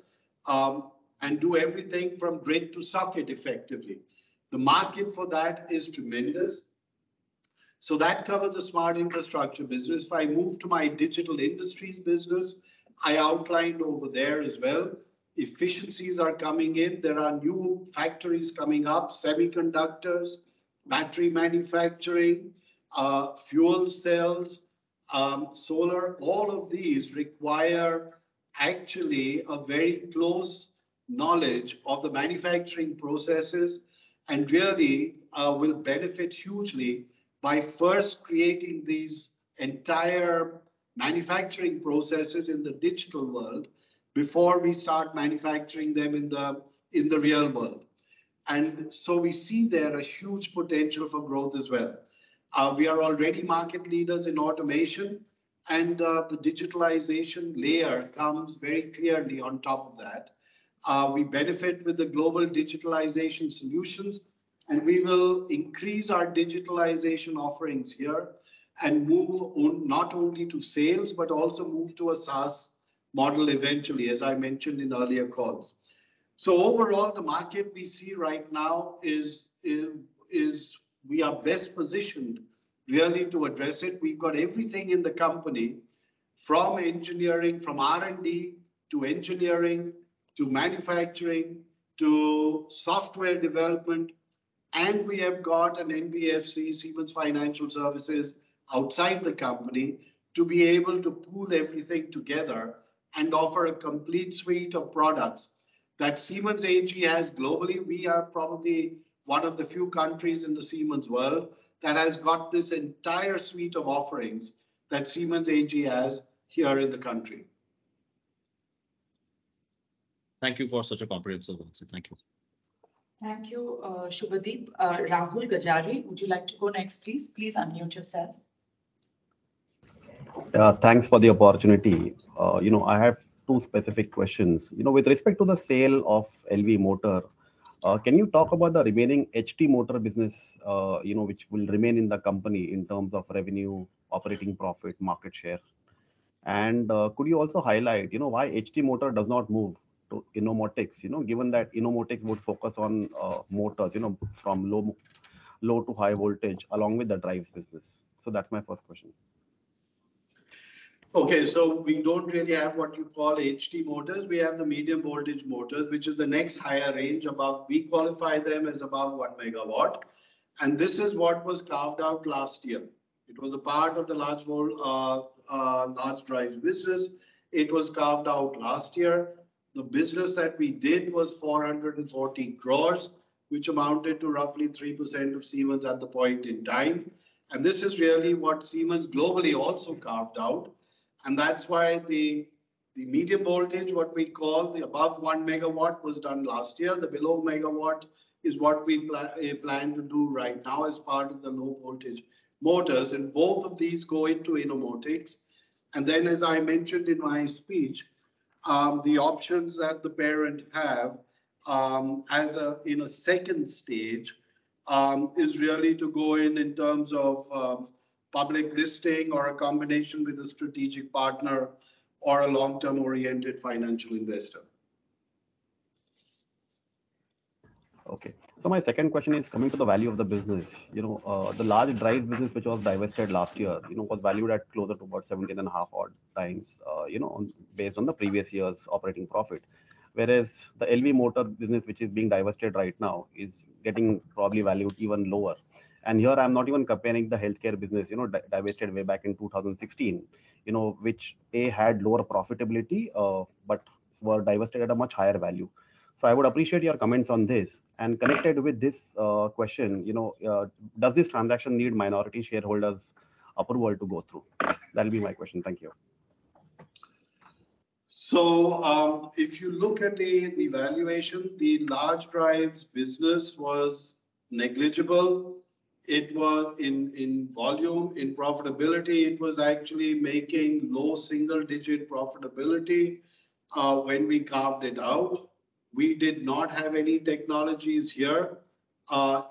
and do everything from grid to socket effectively. The market for that is tremendous. So that covers the Smart Infrastructure business. If I move to my Digital Industries business, I outlined over there as well, efficiencies are coming in. There are new factories coming up, semiconductors, battery manufacturing, fuel cells, solar. All of these require actually a very close knowledge of the manufacturing processes and really will benefit hugely by first creating these entire manufacturing processes in the digital world before we start manufacturing them in the real world. And so we see there a huge potential for growth as well. We are already market leaders in automation, and the digitalization layer comes very clearly on top of that. We benefit with the global digitalization solutions, and we will increase our digitalization offerings here and move not only to sales, but also move to a SaaS model eventually, as I mentioned in earlier calls, so overall, the market we see right now is we are best positioned really to address it. We've got everything in the company from engineering, from R&D to engineering to manufacturing to software development. And we have got an NBFC, Siemens Financial Services, outside the company to be able to pull everything together and offer a complete suite of products that Siemens AG has globally. We are probably one of the few countries in the Siemens world that has got this entire suite of offerings that Siemens AG has here in the country. Thank you for such a comprehensive answer. Thank you. Thank you, Subhadip. Rahul Gajare, would you like to go next, please? Please unmute yourself. Thanks for the opportunity. I have two specific questions. With respect to the sale of LV Motor, can you talk about the remaining HT Motor business, which will remain in the company in terms of revenue, operating profit, market share? And could you also highlight why HT Motor does not move to Innomotics, given that Innomotics would focus on motors from low to high voltage along with the drives business? So that's my first question. Okay. So we don't really have what you call HT Motors. We have the medium voltage motors, which is the next higher range. We qualify them as above 1 MW. And this is what was carved out last year. It was a part of the large drives business. It was carved out last year. The business that we did was 440 crores, which amounted to roughly 3% of Siemens at the point in time. And this is really what Siemens globally also carved out. And that's why the medium voltage, what we call the above 1 MW, was done last year. The below megawatt is what we plan to do right now as part of the low voltage motors. And both of these go into Innomotics. And then, as I mentioned in my speech, the options that the parent have in a second stage is really to go in terms of public listing or a combination with a strategic partner or a long-term oriented financial investor. Okay. So my second question is coming to the value of the business. The large drives business, which was divested last year, was valued at closer to about 17.5 odd times based on the previous year's operating profit, whereas the LV Motor business, which is being divested right now, is getting probably valued even lower. And here, I'm not even comparing the healthcare business, divested way back in 2016, which they had lower profitability, but were divested at a much higher value. So I would appreciate your comments on this. And connected with this question, does this transaction need minority shareholders' approval to go through? That'll be my question. Thank you. If you look at the valuation, the large drives business was negligible. It was in volume, in profitability. It was actually making low single-digit profitability when we carved it out. We did not have any technologies here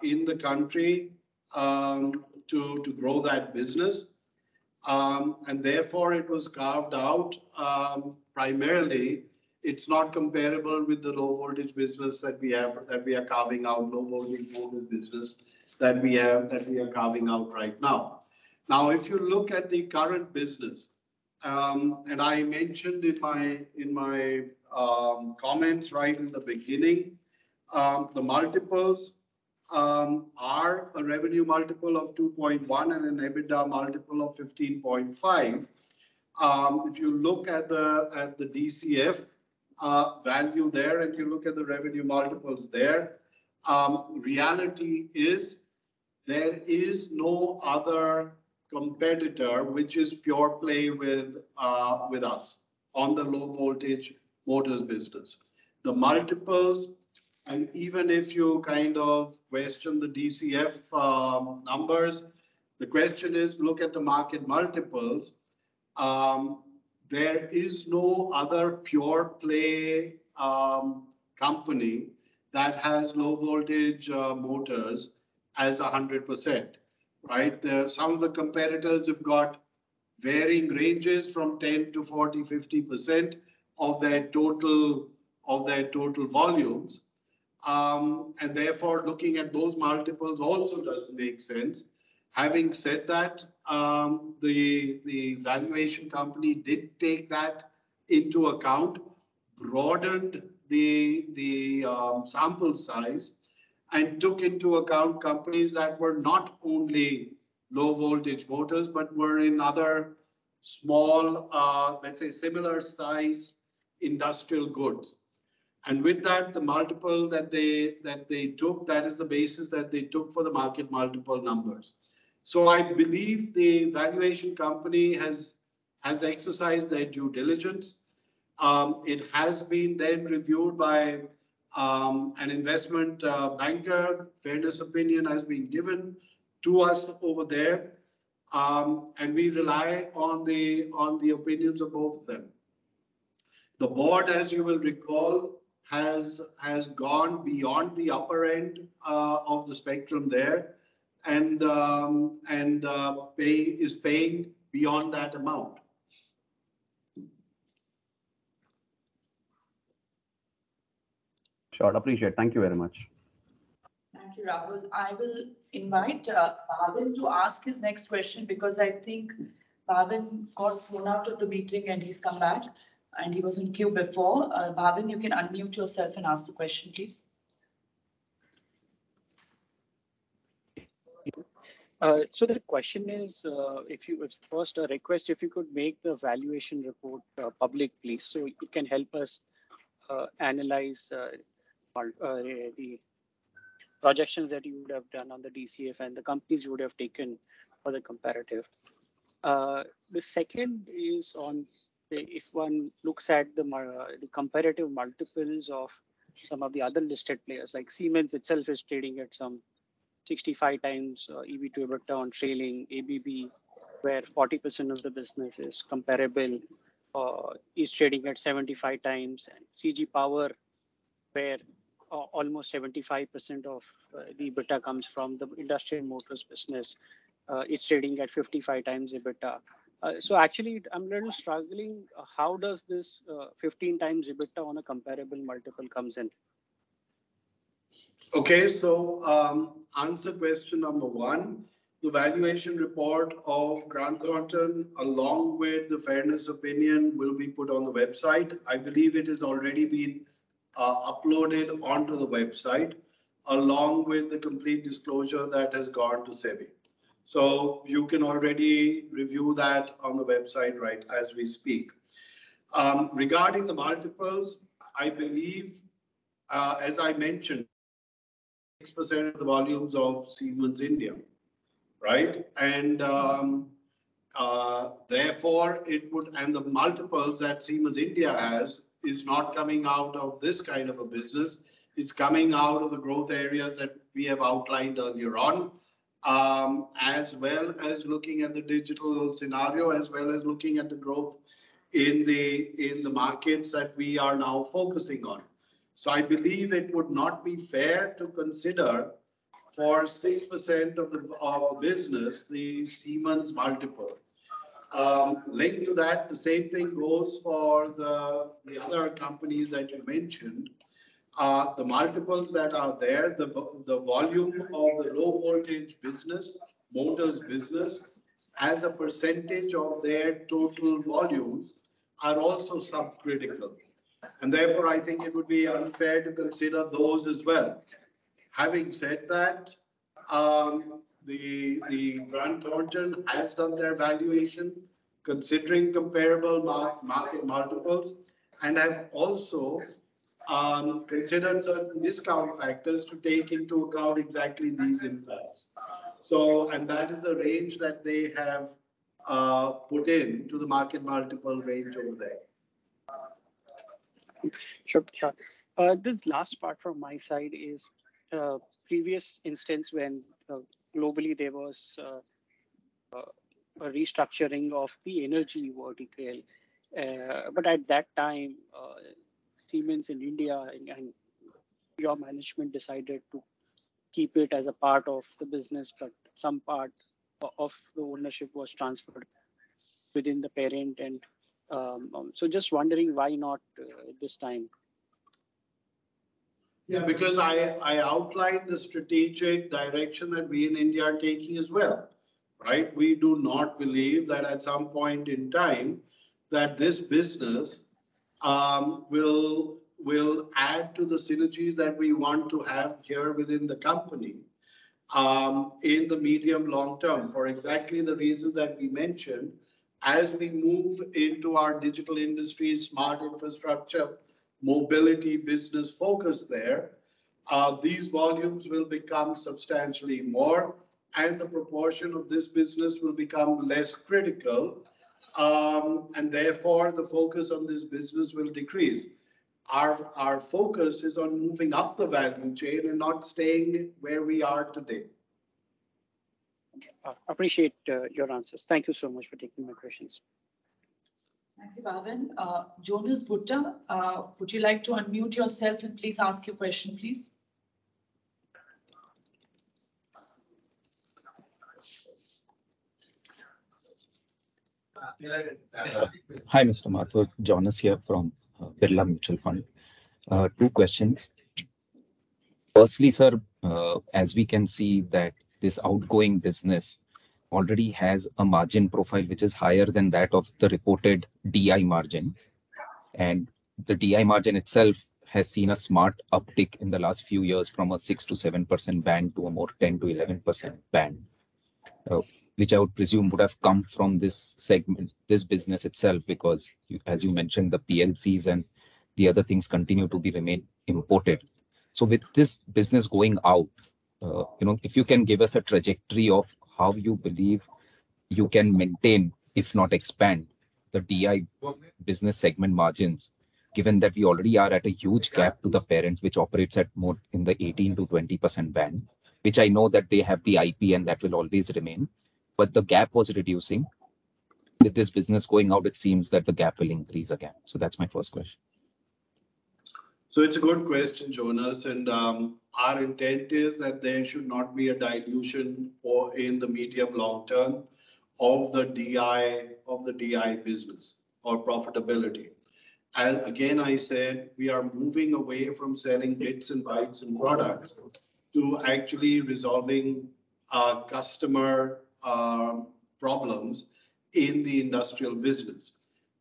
in the country to grow that business. Therefore, it was carved out primarily. It's not comparable with the low voltage business that we are carving out, low voltage motor business that we are carving out right now. Now, if you look at the current business, and I mentioned in my comments right in the beginning, the multiples are a revenue multiple of 2.1 and an EBITDA multiple of 15.5. If you look at the DCF value there and you look at the revenue multiples there, reality is there is no other competitor which is pure play with us on the low voltage motors business. The multiples, and even if you kind of question the DCF numbers, the question is, look at the market multiples. There is no other pure play company that has low voltage motors as 100%, right? Some of the competitors have got varying ranges from 10%-40%, 50% of their total volumes. And therefore, looking at those multiples also doesn't make sense. Having said that, the valuation company did take that into account, broadened the sample size, and took into account companies that were not only low voltage motors but were in other small, let's say, similar-sized industrial goods. And with that, the multiple that they took, that is the basis that they took for the market multiple numbers. So I believe the valuation company has exercised their due diligence. It has been then reviewed by an investment banker. Fairness opinion has been given to us over there. We rely on the opinions of both of them. The Board, as you will recall, has gone beyond the upper end of the spectrum there and is paying beyond that amount. Sure. Appreciate it. Thank you very much. Thank you, Rahul. I will invite Bhavin to ask his next question because I think Bhavin got thrown out of the meeting and he's come back, and he was in queue before. Bhavin, you can unmute yourself and ask the question, please. So the question is, if you would first request if you could make the valuation report public, please, so it can help us analyze the projections that you would have done on the DCF and the companies you would have taken for the comparative. The second is on if one looks at the comparative multiples of some of the other listed players. Like Siemens itself is trading at some 65x EV to EBITDA on trailing ABB, where 40% of the business is comparable, is trading at 75x. CG Power, where almost 75% of the EBITDA comes from the industrial motors business, is trading at 55x EBITDA. So actually, I'm a little struggling. How does this 15x EBITDA on a comparable multiple come in? Okay. So answer question number one, the valuation report of Grant Thornton, along with the fairness opinion, will be put on the website. I believe it has already been uploaded onto the website along with the complete disclosure that has gone to SEBI. So you can already review that on the website right as we speak. Regarding the multiples, I believe, as I mentioned, 6% of the volumes of Siemens India, right? And therefore, it would and the multiples that Siemens India has is not coming out of this kind of a business. It's coming out of the growth areas that we have outlined earlier on, as well as looking at the digital scenario, as well as looking at the growth in the markets that we are now focusing on. So I believe it would not be fair to consider for 6% of the business the Siemens multiple. Linked to that, the same thing goes for the other companies that you mentioned. The multiples that are there, the volume of the low voltage business, motors business, as a percentage of their total volumes are also subcritical. And therefore, I think it would be unfair to consider those as well. Having said that, the Grant Thornton has done their valuation considering comparable market multiples and have also considered certain discount factors to take into account exactly these impacts. And that is the range that they have put into the market multiple range over there. Sure. Sure. This last part from my side is previous instance when globally there was a restructuring of the energy vertical. But at that time, Siemens in India and your management decided to keep it as a part of the business, but some part of the ownership was transferred within the parent. And so just wondering why not this time? Yeah, because I outlined the strategic direction that we in India are taking as well, right? We do not believe that at some point in time that this business will add to the synergies that we want to have here within the company in the medium-long term for exactly the reason that we mentioned. As we move into our Digital Industries, Smart Infrastructure, Mobility business focus there, these volumes will become substantially more, and the proportion of this business will become less critical. And therefore, the focus on this business will decrease. Our focus is on moving up the value chain and not staying where we are today. Appreciate your answers. Thank you so much for taking my questions. Thank you, Bhavin. Jonas Bhutta, would you like to unmute yourself and please ask your question, please? Hi, Mr. Mathur. Jonas here from Birla Mutual Fund. Two questions. Firstly, sir, as we can see that this outgoing business already has a margin profile which is higher than that of the reported DI margin. And the DI margin itself has seen a smart uptick in the last few years from a 6%-7% band to a more 10%-11% band, which I would presume would have come from this business itself because, as you mentioned, the PLCs and the other things continue to remain imported. So with this business going out, if you can give us a trajectory of how you believe you can maintain, if not expand, the DI business segment margins, given that we already are at a huge gap to the parent, which operates in the 18%-20% band, which I know that they have the IP and that will always remain. But the gap was reducing. With this business going out, it seems that the gap will increase again. So that's my first question. So it's a good question, Jonas. And our intent is that there should not be a dilution in the medium-long term of the DI business or profitability. Again, I said we are moving away from selling bits and bytes and products to actually resolving customer problems in the industrial business,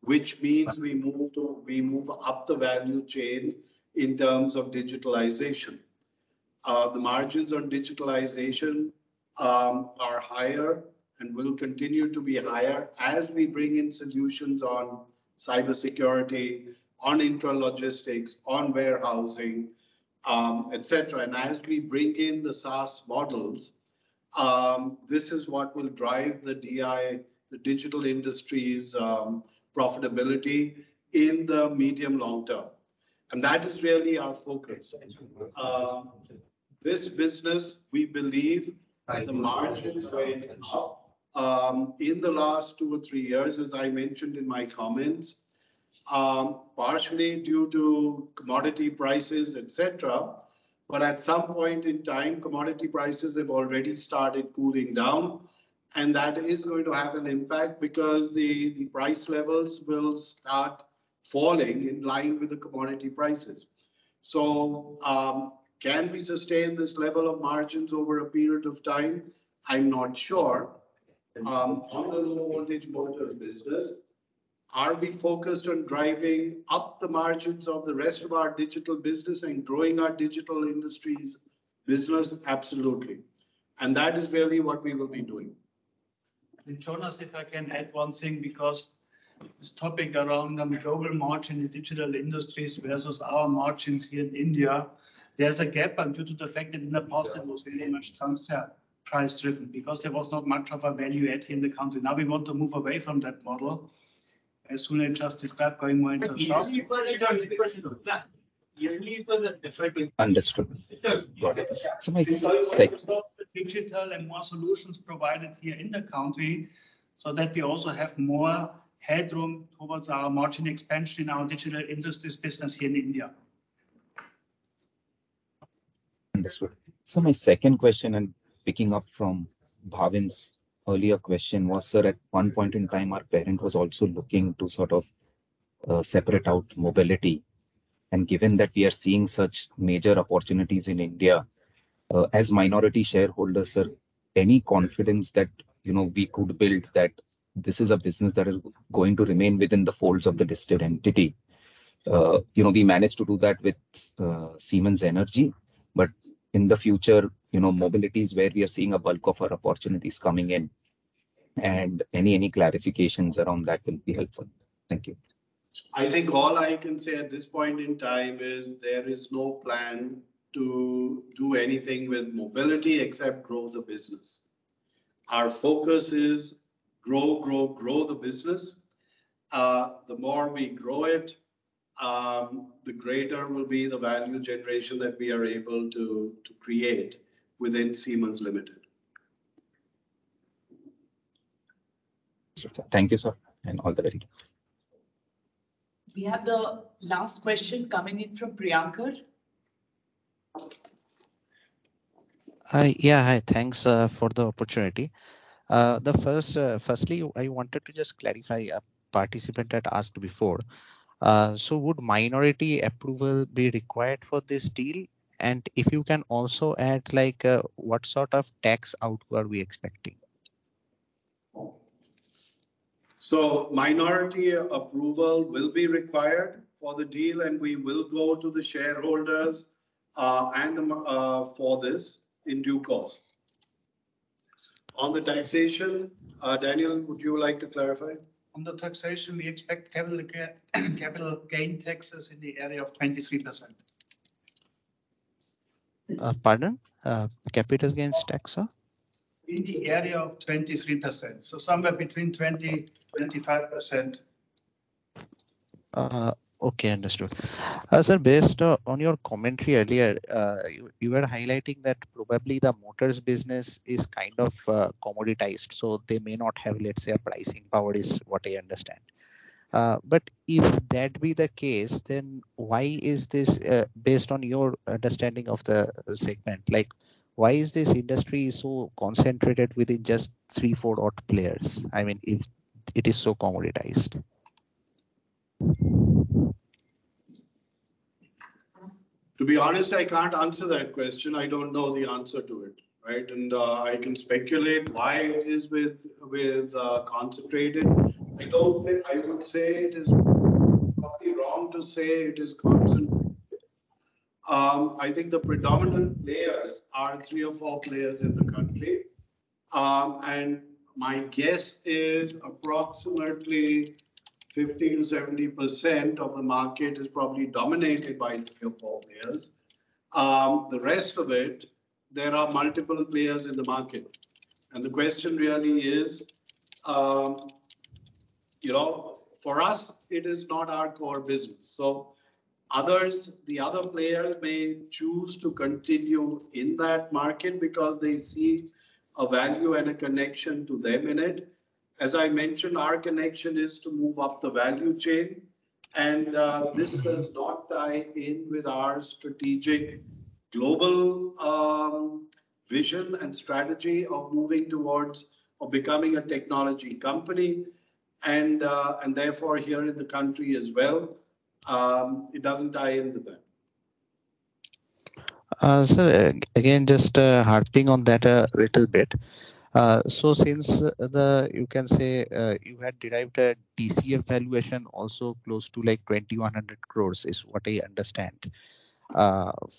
which means we move up the value chain in terms of digitalization. The margins on digitalization are higher and will continue to be higher as we bring in solutions on cybersecurity, on intralogistics, on warehousing, etc. And as we bring in the SaaS models, this is what will drive the Digital Industries' profitability in the medium-long term. And that is really our focus. This business, we believe, the margins went up in the last two or three years, as I mentioned in my comments, partially due to commodity prices, etc. But at some point in time, commodity prices have already started cooling down. And that is going to have an impact because the price levels will start falling in line with the commodity prices. So can we sustain this level of margins over a period of time? I'm not sure. On the low-voltage motors business, are we focused on driving up the margins of the rest of our Digital Industries business and growing our Digital Industries business? Absolutely. And Jonas, if I can add one thing because this topic around global margin in Digital Industries versus our margins here in India, there's a gap due to the fact that in the past, it was very much transfer price-driven because there was not much of a value add here in the country. Now we want to move away from that model as soon as it just starts going more into SaaS. Understood. So my second. Digital and more solutions provided here in the country so that we also have more headroom towards our margin expansion in our Digital Industries business here in India. So my second question, and picking up from Bhavin's earlier question, was, sir, at one point in time, our parent was also looking to sort of separate out mobility. And given that we are seeing such major opportunities in India, as minority shareholders, sir, any confidence that we could build that this is a business that is going to remain within the folds of the listed entity? We managed to do that with Siemens Energy, but in the future, mobility is where we are seeing a bulk of our opportunities coming in. And any clarifications around that will be helpful. Thank you. I think all I can say at this point in time is there is no plan to do anything with mobility except grow the business. Our focus is grow, grow, grow the business. The more we grow it, the greater will be the value generation that we are able to create within Siemens Limited. Thank you, sir, and all the very good. We have the last question coming in from Priyankar. Yeah. Hi. Thanks for the opportunity. Firstly, I wanted to just clarify a participant had asked before. So would minority approval be required for this deal? And if you can also add what sort of tax output are we expecting? So minority approval will be required for the deal, and we will go to the shareholders for this in due course. On the taxation, Daniel, would you like to clarify? On the taxation, we expect capital gain taxes in the area of 23%. Pardon? Capital gains tax, sir? In the area of 23%. So somewhere between 20%-25%. Okay. Understood. Sir, based on your commentary earlier, you were highlighting that probably the motors business is kind of commoditized. So they may not have, let's say, a pricing power, is what I understand. But if that be the case, then why is this, based on your understanding of the segment, why is this industry so concentrated within just three, four odd players? I mean, if it is so commoditized. To be honest, I can't answer that question. I don't know the answer to it, right? And I can speculate why it is so concentrated. I would say it is probably wrong to say it is concentrated. I think the predominant players are three or four players in the country. And my guess is approximately 50%-70% of the market is probably dominated by three or four players. The rest of it, there are multiple players in the market. And the question really is, for us, it is not our core business. So the other players may choose to continue in that market because they see a value and a connection to them in it. As I mentioned, our connection is to move up the value chain. And this does not tie in with our strategic global vision and strategy of moving towards or becoming a technology company. Therefore, here in the country as well, it doesn't tie into that. Sir, again, just harping on that a little bit. So since you can say you had derived a DCF valuation also close to 2,100 crores is what I understand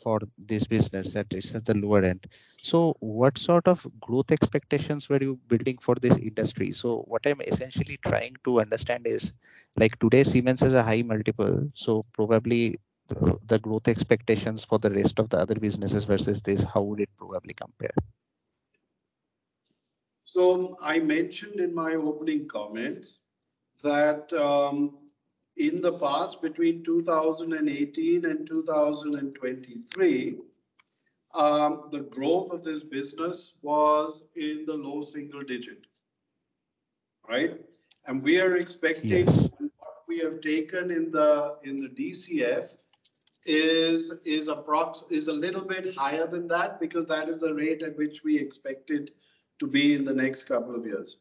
for this business at the lower end. So what sort of growth expectations were you building for this industry? So what I'm essentially trying to understand is, today, Siemens has a high multiple. So probably the growth expectations for the rest of the other businesses versus this, how would it probably compare? So I mentioned in my opening comments that in the past, between 2018 and 2023, the growth of this business was in the low single digit, right? And we are expecting what we have taken in the DCF is a little bit higher than that because that is the rate at which we expected to be in the next couple of years.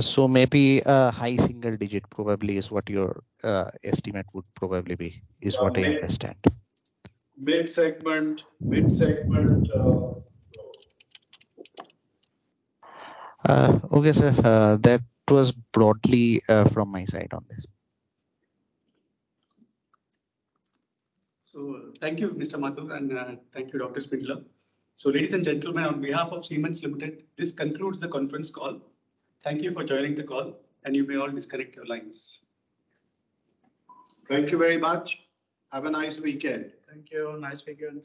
So maybe a high single digit probably is what your estimate would probably be, is what I understand. Mid-segment. Okay, sir. That was broadly from my side on this. So thank you, Mr. Mathur, and thank you, Dr. Spindler. So ladies and gentlemen, on behalf of Siemens Limited, this concludes the conference call. Thank you for joining the call, and you may all disconnect your lines. Thank you very much. Have a nice weekend. Thank you. Nice weekend.